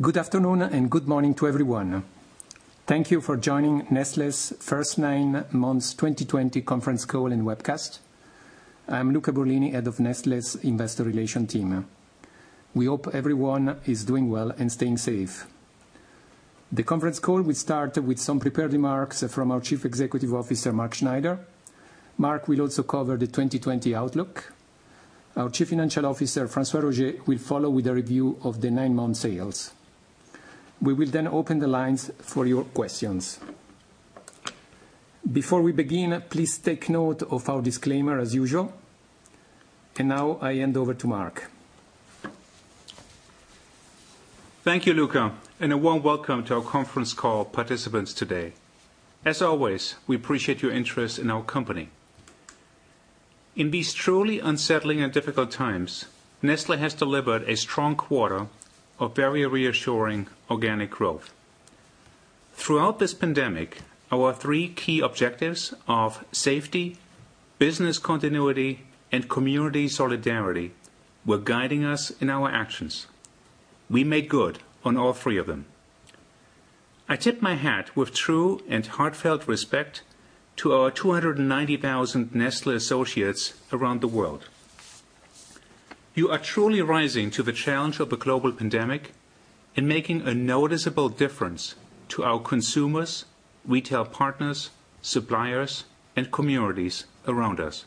Good afternoon and good morning to everyone. Thank you for joining Nestlé's first nine months 2020 conference call and webcast. I'm Luca Borlini, Head of Nestlé's Investor Relations team. We hope everyone is doing well and staying safe. The conference call will start with some prepared remarks from our Chief Executive Officer, Mark Schneider. Mark will also cover the 2020 outlook. Our Chief Financial Officer, François-Xavier Roger, will follow with a review of the nine-month sales. We will then open the lines for your questions. Before we begin, please take note of our disclaimer as usual. Now I hand over to Mark. Thank you, Luca, and a warm welcome to our conference call participants today. As always, we appreciate your interest in our company. In these truly unsettling and difficult times, Nestlé has delivered a strong quarter of very reassuring organic growth. Throughout this pandemic, our three key objectives of safety, business continuity, and community solidarity were guiding us in our actions. We made good on all three of them. I tip my hat with true and heartfelt respect to our 290,000 Nestlé associates around the world. You are truly rising to the challenge of the global pandemic and making a noticeable difference to our consumers, retail partners, suppliers, and communities around us.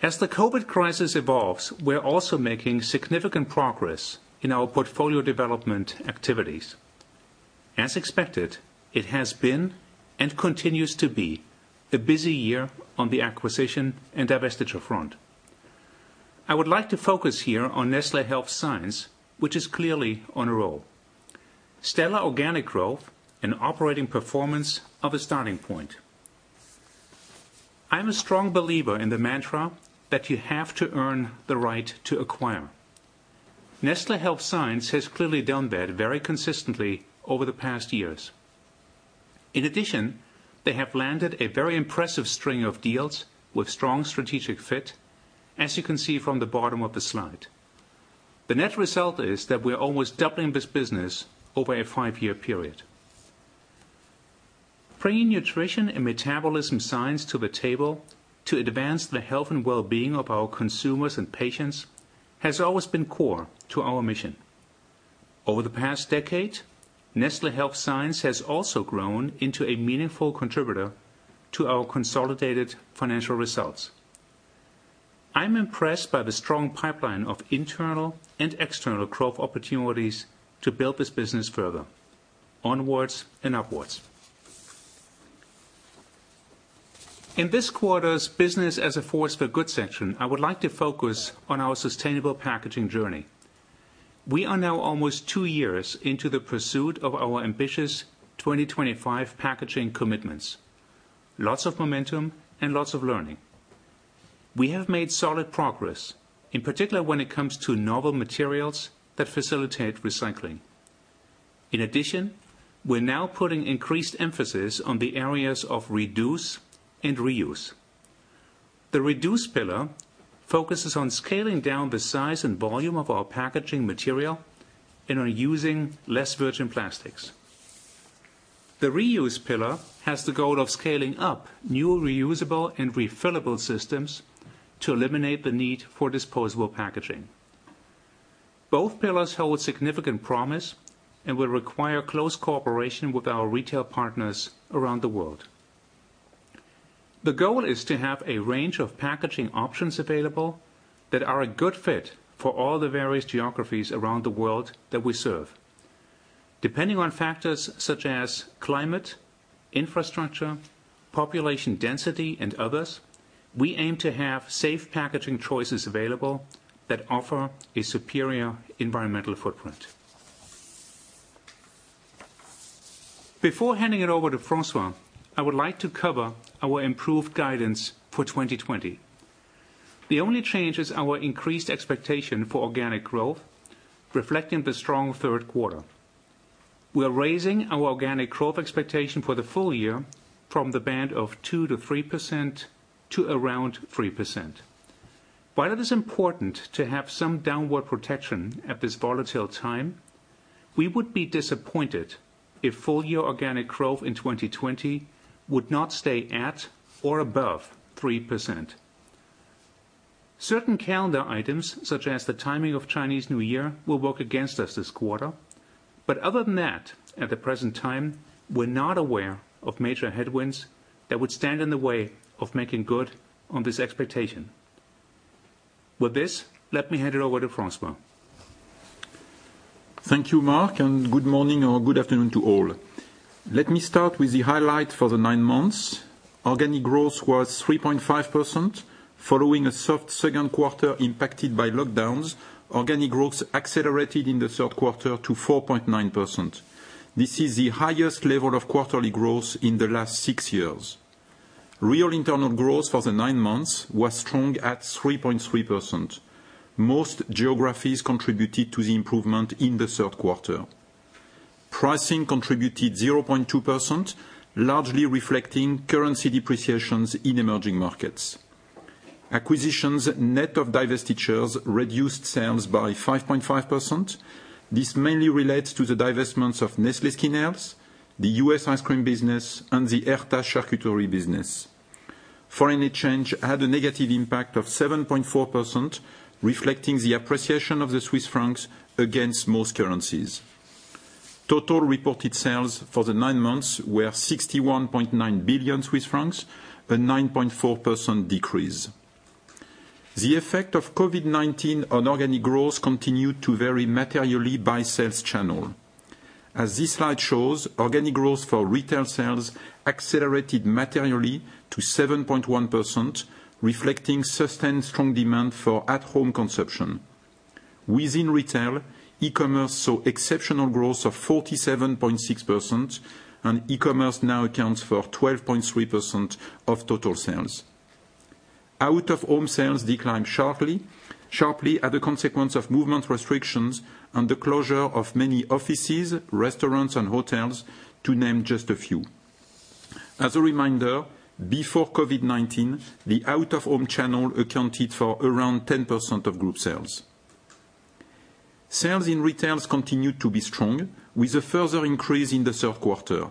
As the COVID crisis evolves, we're also making significant progress in our portfolio development activities. As expected, it has been and continues to be a busy year on the acquisition and divestiture front. I would like to focus here on Nestlé Health Science, which is clearly on a roll. Stellar organic growth and operating performance are the starting point. I'm a strong believer in the mantra that you have to earn the right to acquire. Nestlé Health Science has clearly done that very consistently over the past years. In addition, they have landed a very impressive string of deals with strong strategic fit, as you can see from the bottom of the slide. The net result is that we're almost doubling this business over a five-year period. Bringing nutrition and metabolism science to the table to advance the health and wellbeing of our consumers and patients has always been core to our mission. Over the past decade, Nestlé Health Science has also grown into a meaningful contributor to our consolidated financial results. I'm impressed by the strong pipeline of internal and external growth opportunities to build this business further. Onwards and upwards. In this quarter's business as a force for good section, I would like to focus on our sustainable packaging journey. We are now almost two years into the pursuit of our ambitious 2025 packaging commitments. Lots of momentum and lots of learning. We have made solid progress, in particular when it comes to novel materials that facilitate recycling. In addition, we're now putting increased emphasis on the areas of reduce and reuse. The reduce pillar focuses on scaling down the size and volume of our packaging material and on using less virgin plastics. The reuse pillar has the goal of scaling up new reusable and refillable systems to eliminate the need for disposable packaging. Both pillars hold significant promise and will require close cooperation with our retail partners around the world. The goal is to have a range of packaging options available that are a good fit for all the various geographies around the world that we serve. Depending on factors such as climate, infrastructure, population density, and others, we aim to have safe packaging choices available that offer a superior environmental footprint. Before handing it over to François, I would like to cover our improved guidance for 2020. The only change is our increased expectation for organic growth, reflecting the strong third quarter. We're raising our organic growth expectation for the full year from the band of 2%-3%, to around 3%. While it is important to have some downward protection at this volatile time, we would be disappointed if full-year organic growth in 2020 would not stay at or above 3%. Certain calendar items, such as the timing of Chinese New Year, will work against us this quarter. Other than that, at the present time, we're not aware of major headwinds that would stand in the way of making good on this expectation. With this, let me hand it over to François. Thank you, Mark, and good morning or good afternoon to all. Let me start with the highlight for the nine months. Organic growth was 3.5%, following a soft second quarter impacted by lockdowns. Organic growth accelerated in the third quarter to 4.9%. This is the highest level of quarterly growth in the last six years. Real internal growth for the nine months was strong at 3.3%. Most geographies contributed to the improvement in the third quarter. Pricing contributed 0.2%, largely reflecting currency depreciations in emerging markets. Acquisitions net of divestitures reduced sales by 5.5%. This mainly relates to the divestments of Nestlé Skin Health, the U.S. ice cream business, and the Herta charcuterie business. Foreign exchange had a negative impact of 7.4%, reflecting the appreciation of the CHF against most currencies. Total reported sales for the nine months were 61.9 billion Swiss francs, a 9.4% decrease. The effect of COVID-19 on organic growth continued to vary materially by sales channel. As this slide shows, organic growth for retail sales accelerated materially to 7.1%, reflecting sustained strong demand for at home consumption. Within retail, e-commerce saw exceptional growth of 47.6%, and e-commerce now accounts for 12.3% of total sales. Out of home sales declined sharply as a consequence of movement restrictions and the closure of many offices, restaurants, and hotels, to name just a few. As a reminder, before COVID-19, the out of home channel accounted for around 10% of group sales. Sales in retail continue to be strong, with a further increase in the third quarter.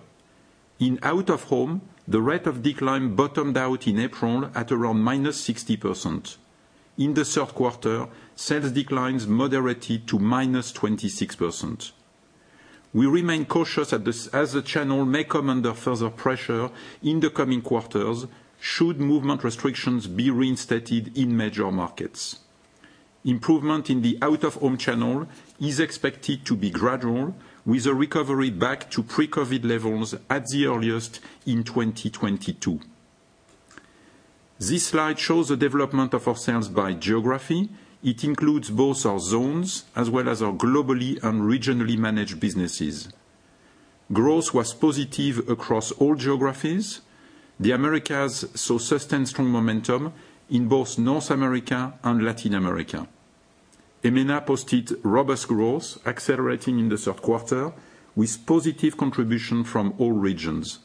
In out of home, the rate of decline bottomed out in April at around -60%. In the third quarter, sales declines moderated to -26%. We remain cautious as the channel may come under further pressure in the coming quarters, should movement restrictions be reinstated in major markets. Improvement in the out of home channel is expected to be gradual, with a recovery back to pre-COVID-19 levels at the earliest in 2022. This slide shows the development of our sales by geography. It includes both our zones as well as our globally and regionally managed businesses. Growth was positive across all geographies. The Americas saw sustained strong momentum in both North America and Latin America. EMENA posted robust growth, accelerating in the third quarter, with positive contribution from all regions.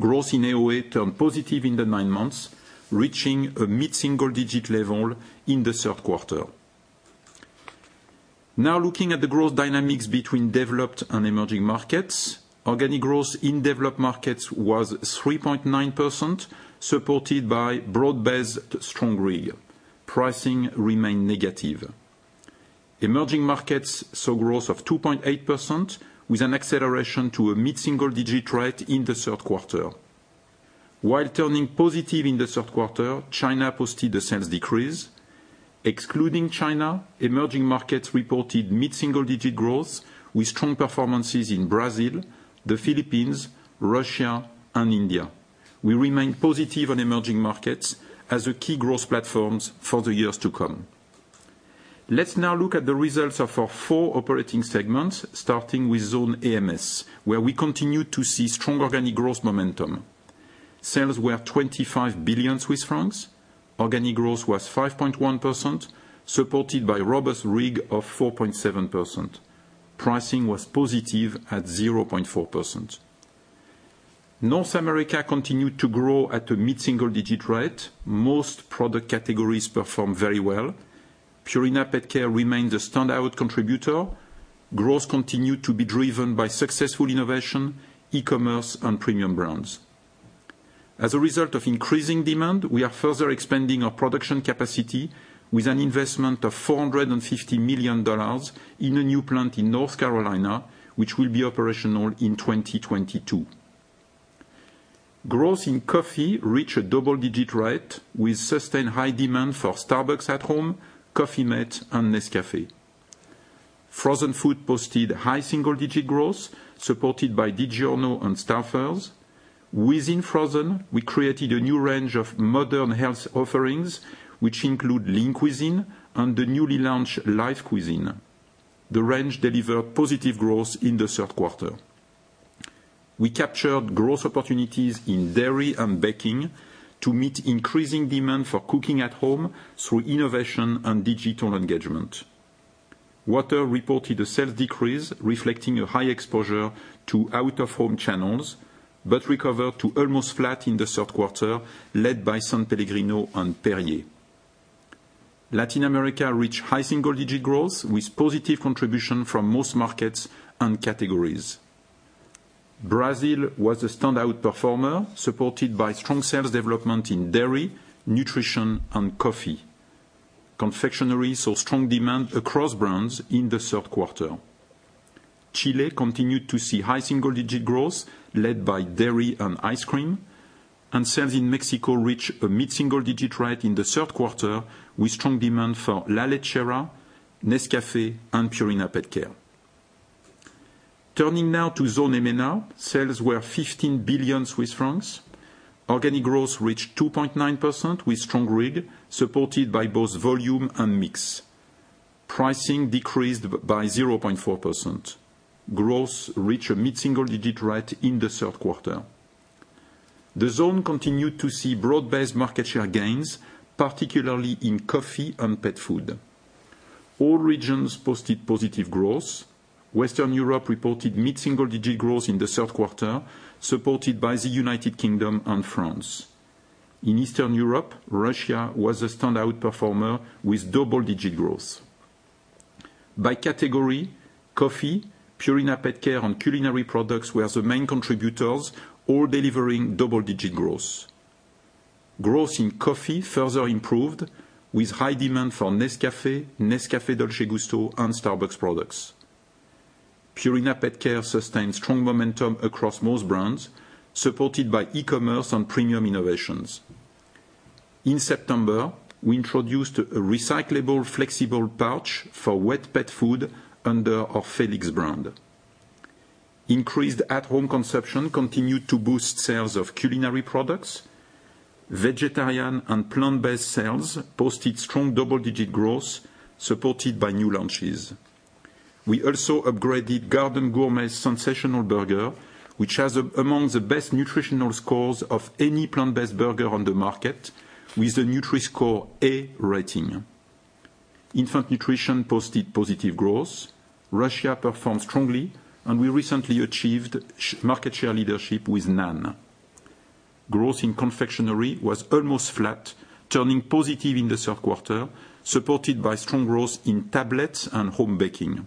Growth in AOA turned positive in the nine months, reaching a mid-single digit level in the third quarter. Now looking at the growth dynamics between developed and emerging markets, organic growth in developed markets was 3.9%, supported by broad-based strong RIG. Pricing remained negative. Emerging markets saw growth of 2.8%, with an acceleration to a mid-single digit rate in the third quarter. While turning positive in the third quarter, China posted a sales decrease. Excluding China, emerging markets reported mid-single digit growth with strong performances in Brazil, the Philippines, Russia, and India. We remain positive on emerging markets as the key growth platforms for the years to come. Let's now look at the results of our four operating segments, starting with Zone AMS, where we continue to see strong organic growth momentum. Sales were 25 billion Swiss francs. Organic growth was 5.1%, supported by robust RIG of 4.7%. Pricing was positive at 0.4%. North America continued to grow at a mid-single digit rate. Most product categories performed very well. Purina PetCare remained a standout contributor. Growth continued to be driven by successful innovation, e-commerce, and premium brands. As a result of increasing demand, we are further expanding our production capacity with an investment of $450 million in a new plant in North Carolina, which will be operational in 2022. Growth in coffee reached a double-digit rate with sustained high demand for Starbucks at Home, Coffee mate, and Nescafé. Frozen food posted high single-digit growth, supported by DiGiorno and Stouffer's. Within frozen, we created a new range of modern health offerings, which include Lean Cuisine and the newly launched Life Cuisine. The range delivered positive growth in the third quarter. We captured growth opportunities in dairy and baking to meet increasing demand for cooking at home through innovation and digital engagement. Water reported a sales decrease, reflecting a high exposure to out of home channels, but recovered to almost flat in the third quarter, led by S.Pellegrino and Perrier. Latin America reached high single digit growth with positive contribution from most markets and categories. Brazil was a standout performer, supported by strong sales development in dairy, nutrition, and coffee. Confectionery saw strong demand across brands in the third quarter. Chile continued to see high single digit growth led by dairy and ice cream, and sales in Mexico reached a mid-single digit rate in the third quarter with strong demand for La Lechera, Nescafé, and Purina PetCare. Turning now to Zone EMENA, sales were 15 billion Swiss francs. Organic growth reached 2.9% with strong RIG, supported by both volume and mix. Pricing decreased by 0.4%. Growth reached a mid-single digit rate in the third quarter. The zone continued to see broad-based market share gains, particularly in coffee and pet food. All regions posted positive growth. Western Europe reported mid-single digit growth in the third quarter, supported by the United Kingdom and France. In Eastern Europe, Russia was a standout performer with double-digit growth. By category, coffee, Purina PetCare, and culinary products were the main contributors, all delivering double-digit growth. Growth in coffee further improved with high demand for Nescafé Dolce Gusto, and Starbucks products. Purina PetCare sustained strong momentum across most brands, supported by e-commerce and premium innovations. In September, we introduced a recyclable, flexible pouch for wet pet food under our Felix brand. Increased at-home consumption continued to boost sales of culinary products. Vegetarian and plant-based sales posted strong double-digit growth, supported by new launches. We also upgraded Garden Gourmet's Sensational Burger, which has among the best nutritional scores of any plant-based burger on the market, with a Nutri-Score A rating. Infant nutrition posted positive growth. Russia performed strongly, and we recently achieved market share leadership with NAN. Growth in confectionery was almost flat, turning positive in the third quarter, supported by strong growth in tablets and home baking.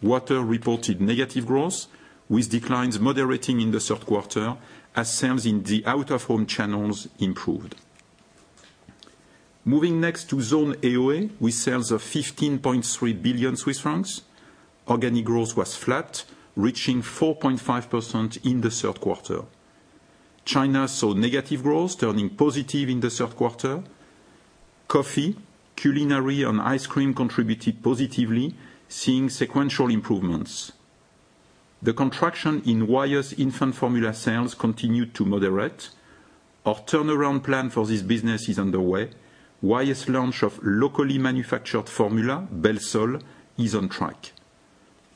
Water reported negative growth, with declines moderating in the third quarter as sales in the out-of-home channels improved. Moving next to Zone AOA, with sales of 15.3 billion Swiss francs. Organic growth was flat, reaching 4.5% in the third quarter. China saw negative growth, turning positive in the third quarter. Coffee, culinary, and ice cream contributed positively, seeing sequential improvements. The contraction in Wyeth infant formula sales continued to moderate. Our turnaround plan for this business is underway. Wyeth's launch of locally manufactured formula, Belsol, is on track.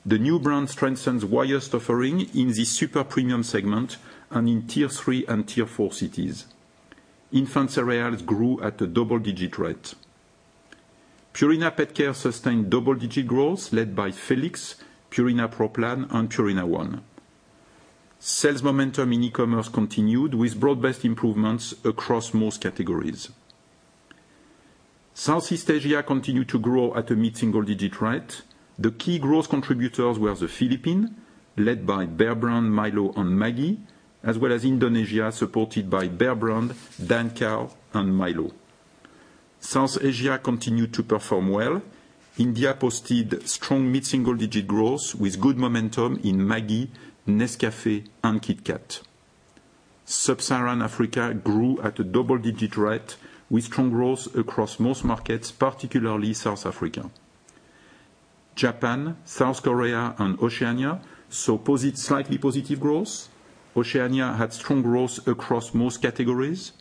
The new brand strengthens Wyeth's offering in the super premium segment and in Tier 3 and Tier 4 cities. Infant cereals grew at a double-digit rate. Purina PetCare sustained double-digit growth, led by Felix, Purina Pro Plan, and Purina ONE. Sales momentum in e-commerce continued, with broad-based improvements across most categories. Southeast Asia continued to grow at a mid-single digit rate. The key growth contributors were the Philippines, led by Bear Brand, MILO, and Maggi, as well as Indonesia, supported by Bear Brand, Dancow, and MILO. South Asia continued to perform well. India posted strong mid-single digit growth with good momentum in Maggi, Nescafé, and KitKat. Sub-Saharan Africa grew at a double-digit rate with strong growth across most markets, particularly South Africa. Japan, South Korea, and Oceania saw slightly positive growth. Oceania had strong growth across most categories.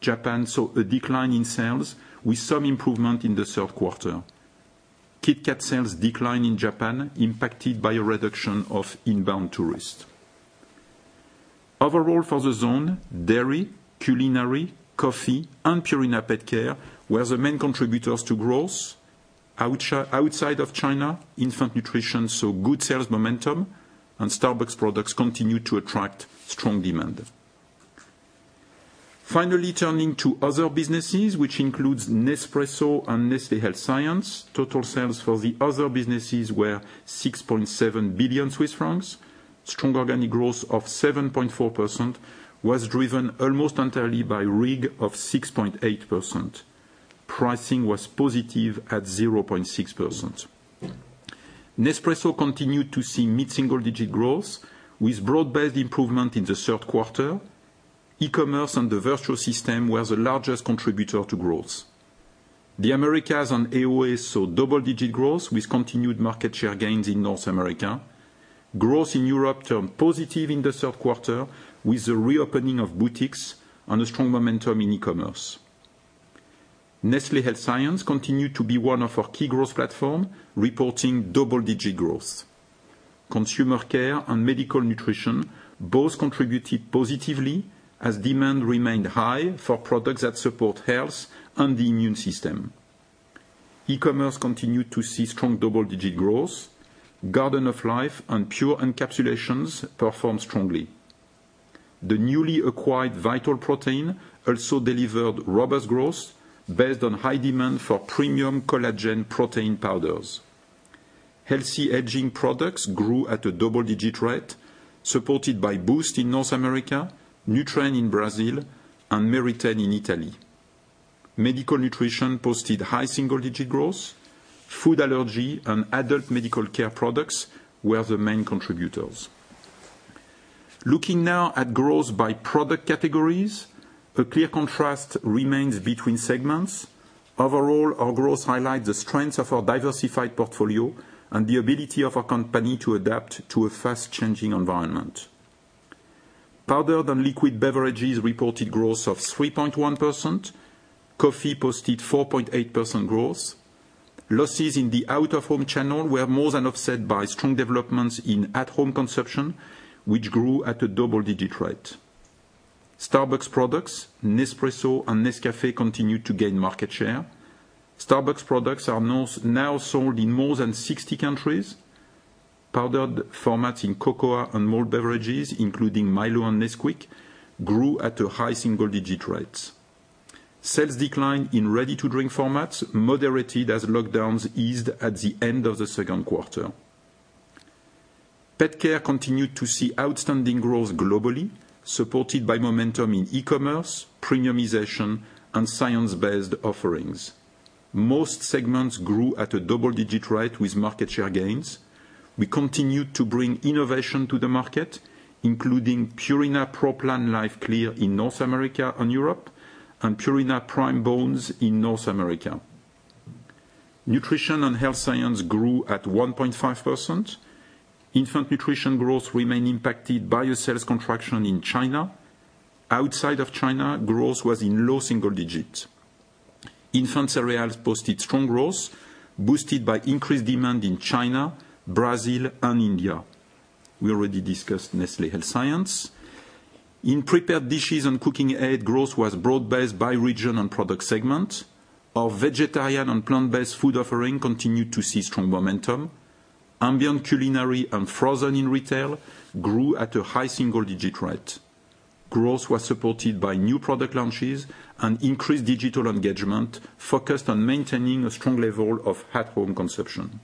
Japan saw a decline in sales, with some improvement in the third quarter. KitKat sales declined in Japan, impacted by a reduction of inbound tourists. Overall, for the zone, dairy, culinary, coffee, and Purina PetCare were the main contributors to growth. Outside of China, infant nutrition saw good sales momentum, and Starbucks products continued to attract strong demand. Turning to other businesses, which includes Nespresso and Nestlé Health Science. Total sales for the other businesses were 6.7 billion Swiss francs. Strong organic growth of 7.4% was driven almost entirely by RIG of 6.8%. Pricing was positive at 0.6%. Nespresso continued to see mid-single digit growth, with broad-based improvement in the third quarter. E-commerce and the Vertuo system were the largest contributor to growth. The Americas and AOA saw double-digit growth, with continued market share gains in North America. Growth in Europe turned positive in the third quarter with the reopening of boutiques and a strong momentum in e-commerce. Nestlé Health Science continued to be one of our key growth platforms, reporting double-digit growth. Consumer care and medical nutrition both contributed positively as demand remained high for products that support health and the immune system. E-commerce continued to see strong double-digit growth. Garden of Life and Pure Encapsulations performed strongly. The newly acquired Vital Proteins also delivered robust growth based on high demand for premium collagen protein powders. Healthy aging products grew at a double-digit rate, supported by BOOST in North America, Nutren in Brazil, and Meritene in Italy. Medical nutrition posted high single-digit growth. Food allergy and adult medical care products were the main contributors. Looking now at growth by product categories, a clear contrast remains between segments. Overall, our growth highlights the strengths of our diversified portfolio and the ability of our company to adapt to a fast-changing environment. Powder than liquid beverages reported growth of 3.1%. Coffee posted 4.8% growth. Losses in the out-of-home channel were more than offset by strong developments in at-home consumption, which grew at a double-digit rate. Starbucks products, Nespresso, and Nescafé continued to gain market share. Starbucks products are now sold in more than 60 countries. Powdered formats in cocoa and malt beverages, including MILO and Nesquik, grew at a high single-digit rates. Sales decline in ready-to-drink formats moderated as lockdowns eased at the end of the second quarter. Pet care continued to see outstanding growth globally, supported by momentum in e-commerce, premiumization, and science-based offerings. Most segments grew at a double-digit rate with market share gains. We continued to bring innovation to the market, including Purina Pro Plan LiveClear in North America and Europe, and Purina Prime Bones in North America. Nutrition and health science grew at 1.5%. Infant nutrition growth remained impacted by a sales contraction in China. Outside of China, growth was in low single digits. Infant cereals posted strong growth, boosted by increased demand in China, Brazil, and India. We already discussed Nestlé Health Science. In prepared dishes and cooking aid, growth was broad-based by region and product segment. Our vegetarian and plant-based food offering continued to see strong momentum. Ambient culinary and frozen in retail grew at a high single-digit rate. Growth was supported by new product launches and increased digital engagement focused on maintaining a strong level of at-home consumption.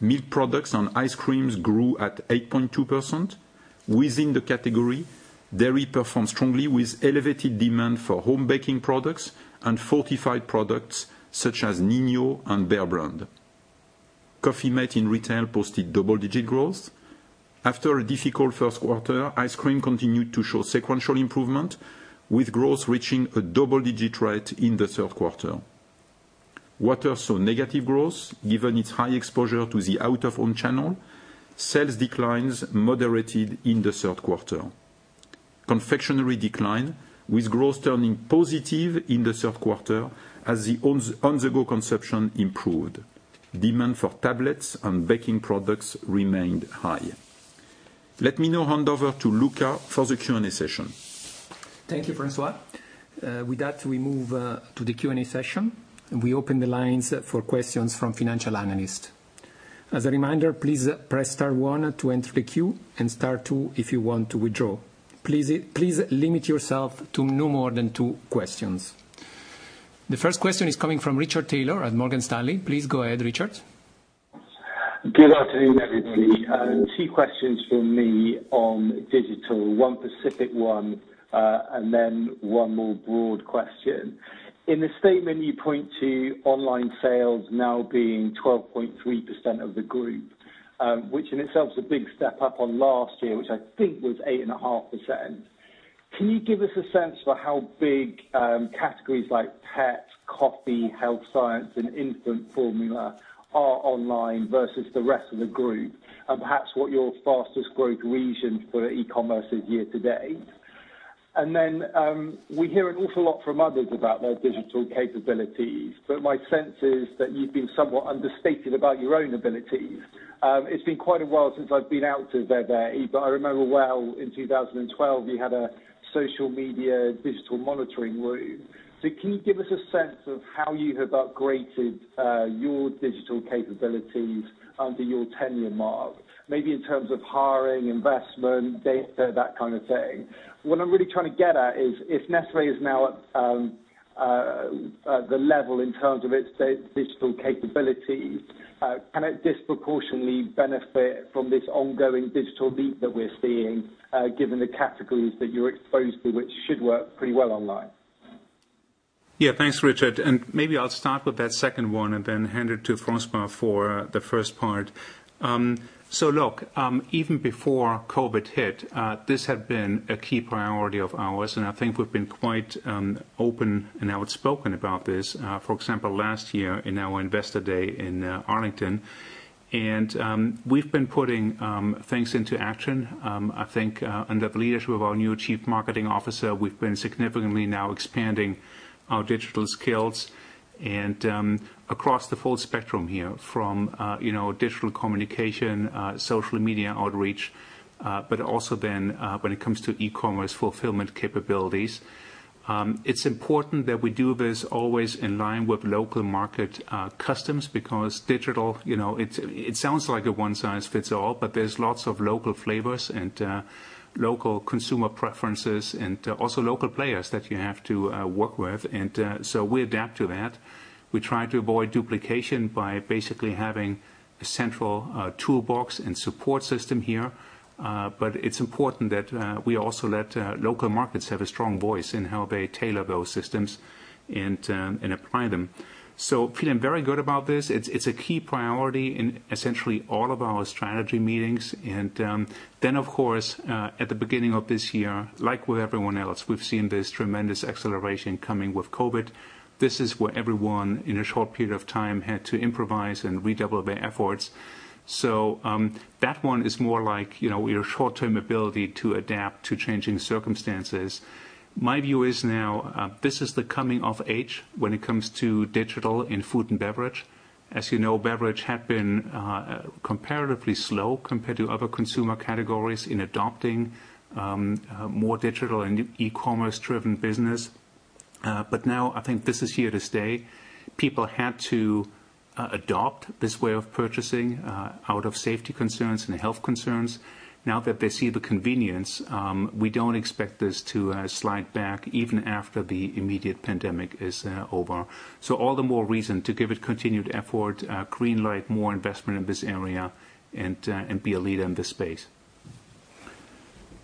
Milk products and ice creams grew at 8.2%. Within the category, dairy performed strongly with elevated demand for home baking products and fortified products, such as Ninho and Bear Brand. Coffee mate in retail posted double-digit growth. After a difficult first quarter, ice cream continued to show sequential improvement, with growth reaching a double-digit rate in the third quarter. Water saw negative growth, given its high exposure to the out-of-home channel. Sales declines moderated in the third quarter. Confectionery declined, with growth turning positive in the third quarter as the on-the-go consumption improved. Demand for tablets and baking products remained high. Let me now hand over to Luca for the Q&A session. Thank you, François. With that, we move to the Q&A session, and we open the lines for questions from financial analysts. As a reminder, please press star one to enter the queue, and star two if you want to withdraw. Please limit yourself to no more than two questions. The first question is coming from Richard Taylor at Morgan Stanley. Please go ahead, Richard. Good afternoon, everybody. 2 questions from me on digital, one specific one, then one more broad question. In the statement, you point to online sales now being 12.3% of the group, which in itself is a big step up on last year, which I think was 8.5%. Can you give us a sense for how big categories like pets, coffee, Health Science, and infant formula are online versus the rest of the group, and perhaps what your fastest growth region for e-commerce is year to date? We hear an awful lot from others about their digital capabilities, but my sense is that you've been somewhat understated about your own abilities. It's been quite a while since I've been out to Vevey, but I remember well in 2012, you had a social media digital monitoring room. Can you give us a sense of how you have upgraded your digital capabilities under your tenure, Mark? Maybe in terms of hiring, investment, that kind of thing. What I'm really trying to get at is if Nestlé is now at the level in terms of its digital capabilities, can it disproportionately benefit from this ongoing digital leap that we're seeing, given the categories that you're exposed to, which should work pretty well online? Yeah. Thanks, Richard. Maybe I'll start with that second one and then hand it to François for the first part. Look, even before COVID hit, this had been a key priority of ours, and I think we've been quite open and outspoken about this. For example, last year in our investor day in Arlington. We've been putting things into action. I think under the leadership of our new Chief Marketing Officer, we've been significantly now expanding our digital skills and across the full spectrum here from digital communication, social media outreach, but also then when it comes to e-commerce fulfillment capabilities. It's important that we do this always in line with local market customs because digital, it sounds like a one size fits all, but there's lots of local flavors and local consumer preferences and also local players that you have to work with. We adapt to that. We try to avoid duplication by basically having a central toolbox and support system here. It's important that we also let local markets have a strong voice in how they tailor those systems and apply them. Feeling very good about this. It's a key priority in essentially all of our strategy meetings. Of course, at the beginning of this year, like with everyone else, we've seen this tremendous acceleration coming with COVID. This is where everyone in a short period of time had to improvise and redouble their efforts. That one is more like your short-term ability to adapt to changing circumstances. My view is now, this is the coming of age when it comes to digital in food and beverage. As you know, beverage had been comparatively slow compared to other consumer categories in adopting more digital and e-commerce driven business. Now I think this is here to stay. People had to adopt this way of purchasing out of safety concerns and health concerns. Now that they see the convenience, we don't expect this to slide back even after the immediate pandemic is over. All the more reason to give it continued effort, green light more investment in this area, and be a leader in this space.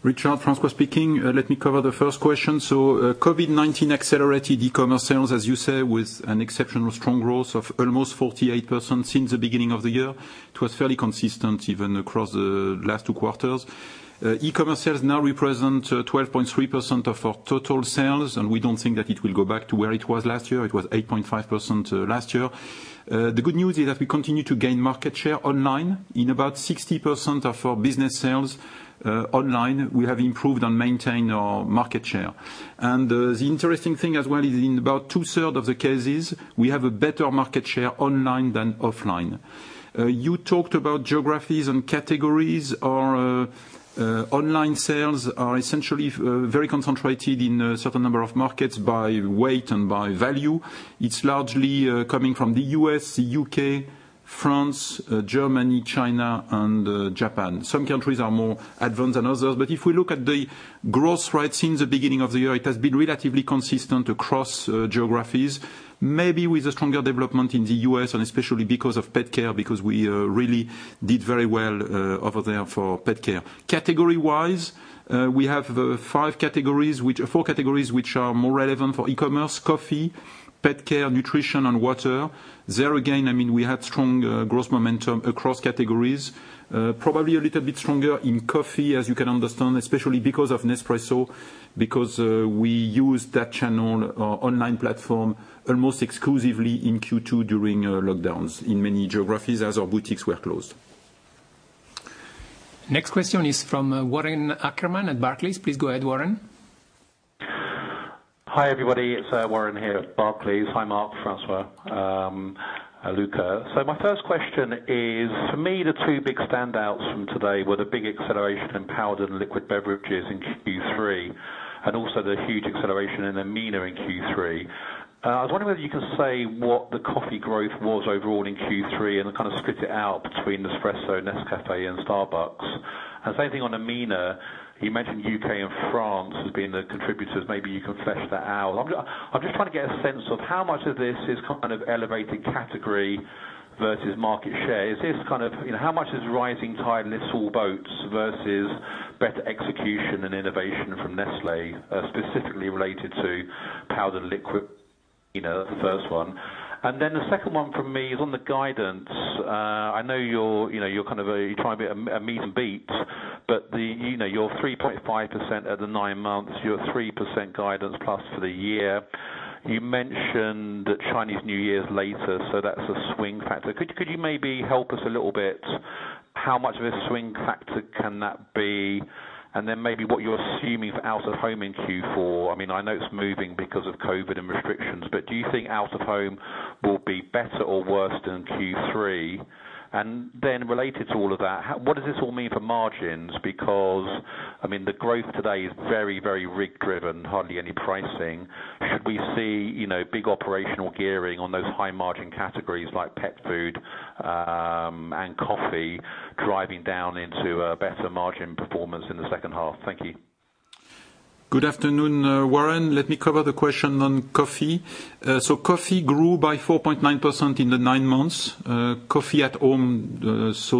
Richard, François speaking. Let me cover the first question. COVID-19 accelerated e-commerce sales, as you say, with an exceptional strong growth of almost 48% since the beginning of the year. It was fairly consistent even across the last two quarters. E-commerce sales now represent 12.3% of our total sales, and we don't think that it will go back to where it was last year. It was 8.5% last year. The good news is that we continue to gain market share online. In about 60% of our business sales online, we have improved and maintained our market share. The interesting thing as well is in about two-thirds of the cases, we have a better market share online than offline. You talked about geographies and categories. Our online sales are essentially very concentrated in a certain number of markets by weight and by value. It's largely coming from the U.S., the U.K., France, Germany, China, and Japan. Some countries are more advanced than others, but if we look at the growth rate since the beginning of the year, it has been relatively consistent across geographies, maybe with a stronger development in the U.S. and especially because of Purina PetCare, because we really did very well over there for Purina PetCare. Category-wise, we have four categories which are more relevant for e-commerce, coffee, Purina PetCare, nutrition, and water. There again, we had strong growth momentum across categories. Probably a little bit stronger in coffee, as you can understand, especially because of Nespresso, because we used that channel online platform almost exclusively in Q2 during lockdowns in many geographies as our boutiques were closed. Next question is from Warren Ackerman at Barclays. Please go ahead, Warren. Hi, everybody. It's Warren here at Barclays. Hi, Mark, François, Luca. My first question is, for me, the two big standouts from today were the big acceleration in powdered and liquid beverages in Q3, and also the huge acceleration in EMENA in Q3. I was wondering whether you can say what the coffee growth was overall in Q3 and kind of split it out between Nespresso, Nescafé, and Starbucks. Same thing on EMENA, you mentioned U.K. and France as being the contributors. Maybe you can flesh that out. I'm just trying to get a sense of how much of this is kind of elevated category versus market share. How much is rising tide lifts all boats versus better execution and innovation from Nestlé, specifically related to powder, liquid? That's the first one. The second one from me is on the guidance. I know you're trying to be a meet and beat, you're 3.5% at the nine months. You're at 3% guidance plus for the year. You mentioned that Chinese New Year is later, that's a swing factor. Could you maybe help us a little bit how much of a swing factor can that be? Maybe what you're assuming for out of home in Q4. I know it's moving because of COVID-19 and restrictions, do you think out of home will be better or worse than Q3? Related to all of that, what does this all mean for margins? The growth today is very RIG driven, hardly any pricing. Should we see big operational gearing on those high margin categories like pet food and coffee driving down into a better margin performance in the second half? Thank you. Good afternoon, Warren. Let me cover the question on coffee. Coffee grew by 4.9% in the nine months. Coffee at home,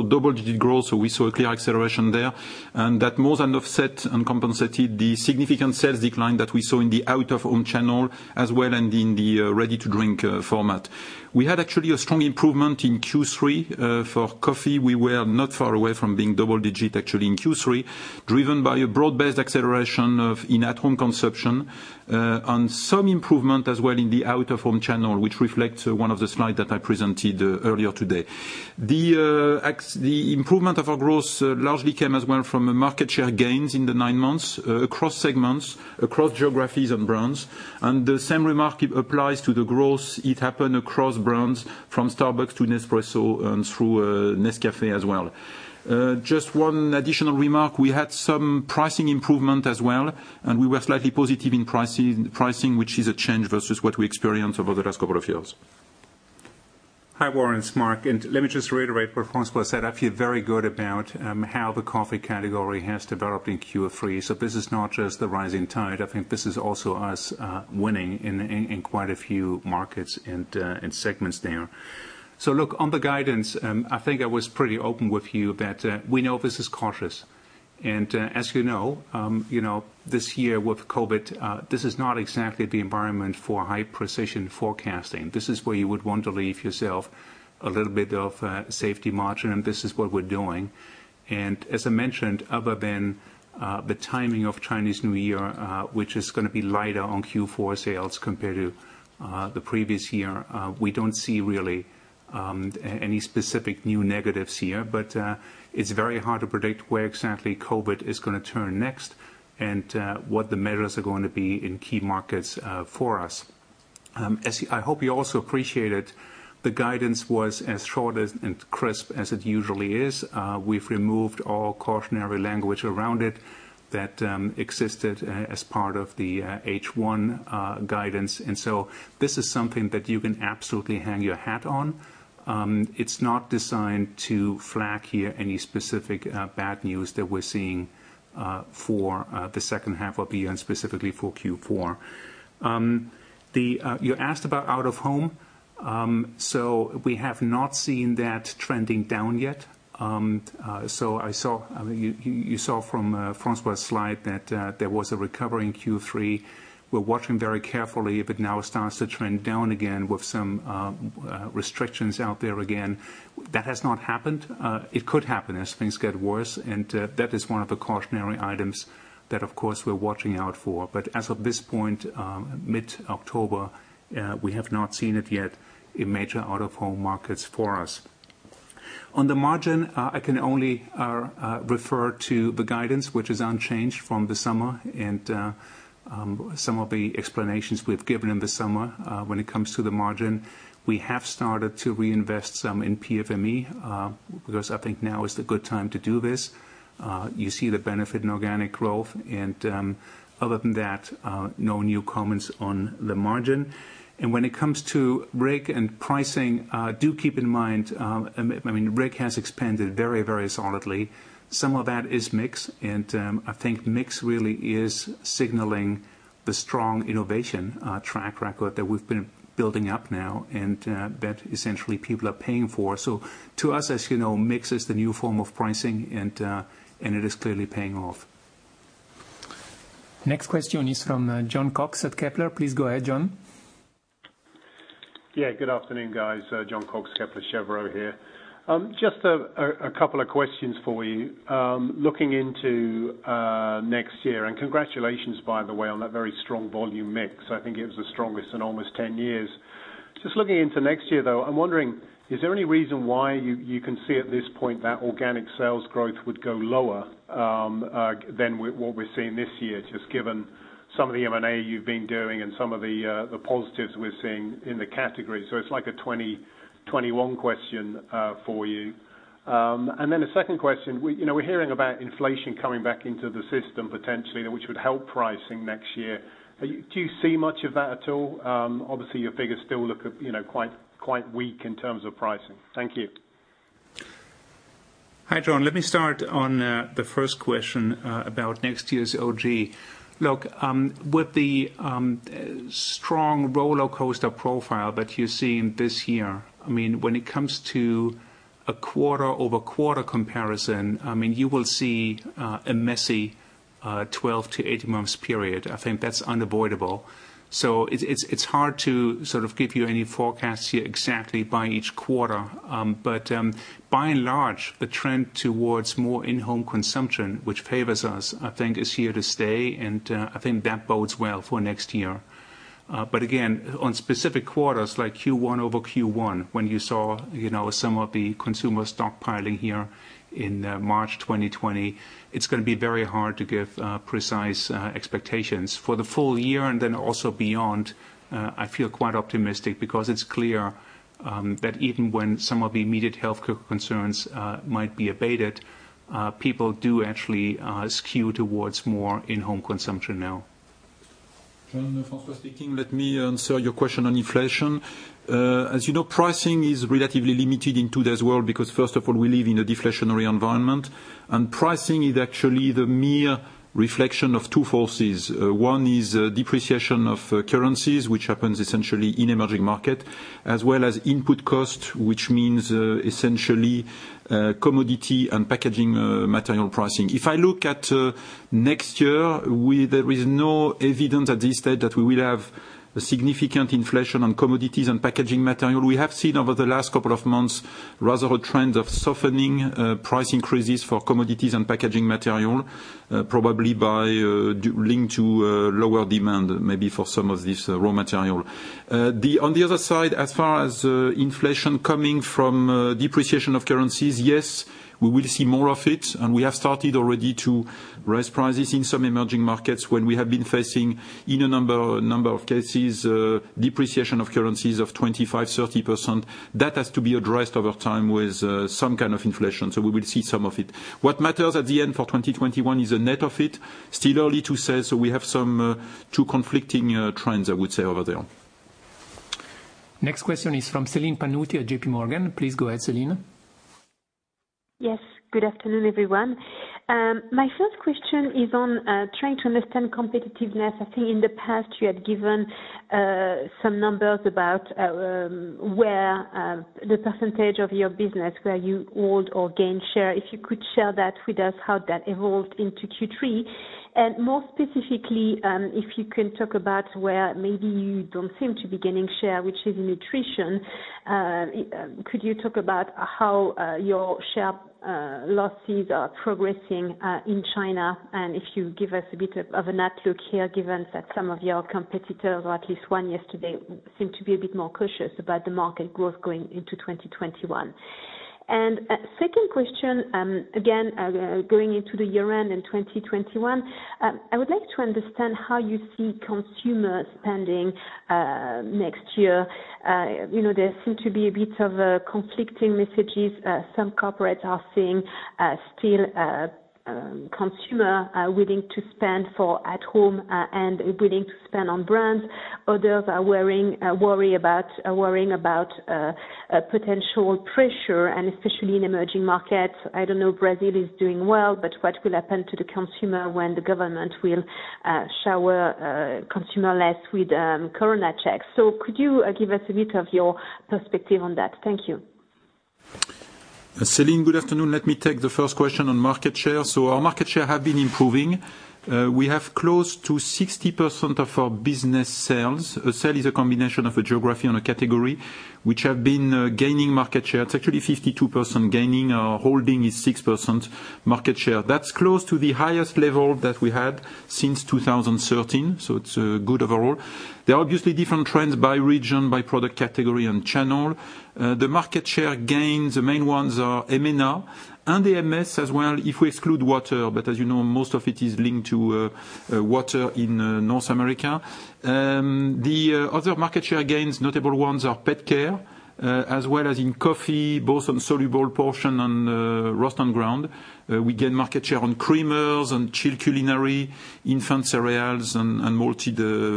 double digit growth, we saw a clear acceleration there. That more than offset and compensated the significant sales decline that we saw in the out-of-home channel as well and in the ready-to-drink format. We had actually a strong improvement in Q3 for coffee. We were not far away from being double digit, actually, in Q3, driven by a broad-based acceleration in at-home consumption, and some improvement as well in the out-of-home channel, which reflects one of the slides that I presented earlier today. The improvement of our growth largely came as well from market share gains in the nine months across segments, across geographies and brands. The same remark applies to the growth. It happened across brands from Starbucks to Nespresso and through Nescafé as well. Just one additional remark, we had some pricing improvement as well, and we were slightly positive in pricing, which is a change versus what we experienced over the last couple of years. Hi, Warren, it's Mark. Let me just reiterate what François said. I feel very good about how the coffee category has developed in Q3. This is not just the rising tide. I think this is also us winning in quite a few markets and segments there. Look, on the guidance, I think I was pretty open with you that we know this is cautious. As you know, this year with COVID, this is not exactly the environment for high precision forecasting. This is where you would want to leave yourself a little bit of safety margin. This is what we're doing. As I mentioned, other than the timing of Chinese New Year, which is going to be lighter on Q4 sales compared to the previous year, we don't see really any specific new negatives here. It's very hard to predict where exactly COVID-19 is going to turn next and what the measures are going to be in key markets for us. I hope you also appreciated the guidance was as short and crisp as it usually is. We've removed all cautionary language around it that existed as part of the H1 guidance. This is something that you can absolutely hang your hat on. It's not designed to flag here any specific bad news that we're seeing for the second half of the year, and specifically for Q4. You asked about out of home. We have not seen that trending down yet. You saw from François' slide that there was a recovery in Q3. We're watching very carefully if it now starts to trend down again with some restrictions out there again. That has not happened. It could happen as things get worse, and that is one of the cautionary items that of course we're watching out for. As of this point, mid-October, we have not seen it yet in major out of home markets for us. On the margin, I can only refer to the guidance, which is unchanged from the summer, and some of the explanations we've given in the summer when it comes to the margin. We have started to reinvest some in PFME, because I think now is the good time to do this. You see the benefit in organic growth and, other than that, no new comments on the margin. When it comes to RIG and pricing, do keep in mind, RIG has expanded very solidly. Some of that is mix. I think mix really is signaling the strong innovation track record that we've been building up now and that essentially people are paying for. To us, as you know, mix is the new form of pricing and it is clearly paying off. Next question is from Jon Cox at Kepler Cheuvreux. Please go ahead, Jon. Yeah, good afternoon, guys. Jon Cox, Kepler Cheuvreux here. Just a couple of questions for you. Looking into next year, congratulations by the way, on that very strong volume mix. I think it was the strongest in almost 10 years. Just looking into next year though, I'm wondering, is there any reason why you can see at this point that organic sales growth would go lower than what we're seeing this year, just given some of the M&A you've been doing and some of the positives we're seeing in the category? It's like a 2021 question for you. A second question. We're hearing about inflation coming back into the system potentially, which would help pricing next year. Do you see much of that at all? Obviously, your figures still look quite weak in terms of pricing. Thank you. Hi, Jon. Let me start on the first question about next year's OG. With the strong rollercoaster profile that you're seeing this year, when it comes to a quarter-over-quarter comparison, you will see a messy 12 to 18 months period. I think that's unavoidable. It's hard to sort of give you any forecasts here exactly by each quarter. By and large, the trend towards more in-home consumption, which favors us, I think is here to stay, and I think that bodes well for next year. Again, on specific quarters like Q1 over Q1, when you saw some of the consumer stockpiling here in March 2020, it's going to be very hard to give precise expectations. For the full year and then also beyond, I feel quite optimistic because it's clear that even when some of the immediate health concerns might be abated, people do actually skew towards more in-home consumption now. Jon, François speaking. Let me answer your question on inflation. As you know, pricing is relatively limited in today's world because first of all, we live in a deflationary environment. Pricing is actually the mere reflection of two forces. One is depreciation of currencies, which happens essentially in emerging market, as well as input cost, which means essentially commodity and packaging material pricing. If I look at next year, there is no evidence at this stage that we will have a significant inflation on commodities and packaging material. We have seen over the last couple of months rather a trend of softening price increases for commodities and packaging material, probably by linked to lower demand, maybe for some of this raw material. On the other side, as far as inflation coming from depreciation of currencies, yes, we will see more of it, and we have started already to raise prices in some emerging markets when we have been facing, in a number of cases, depreciation of currencies of 25%, 30%. That has to be addressed over time with some kind of inflation. We will see some of it. What matters at the end for 2021 is the net of it. Still early to say. We have some two conflicting trends, I would say, over there. Next question is from Céline Pannuti at JPMorgan. Please go ahead, Céline. Yes. Good afternoon, everyone. My first question is on trying to understand competitiveness. I think in the past you had given some numbers about where the percentage of your business, where you hold or gain share. If you could share that with us, how that evolved into Q3. More specifically, if you can talk about where maybe you don't seem to be gaining share, which is nutrition. Could you talk about how your share losses are progressing in China? If you give us a bit of an outlook here, given that some of your competitors or at least one yesterday seemed to be a bit more cautious about the market growth going into 2021. Second question, again, going into the year-end in 2021, I would like to understand how you see consumer spending next year. There seem to be a bit of conflicting messages. Some corporates are seeing still consumer willing to spend for at home and willing to spend on brands. Others are worrying about potential pressure and especially in emerging markets. I don't know Brazil is doing well, but what will happen to the consumer when the government will shower consumer less with Corona checks? Could you give us a bit of your perspective on that? Thank you. Céline, good afternoon. Let me take the first question on market share. Our market share have been improving. We have close to 60% of our business sales. A cell is a combination of a geography and a category which have been gaining market share. It's actually 52% gaining. Our holding is 6% market share. That's close to the highest level that we had since 2013, so it's good overall. There are obviously different trends by region, by product category and channel. The market share gains, the main ones are EMENA and AMS as well if we exclude water, but as you know, most of it is linked to water in North America. The other market share gains, notable ones are pet care, as well as in coffee, both on soluble portion and roast on ground. We gain market share on creamers, on chilled culinary, infant cereals, and malted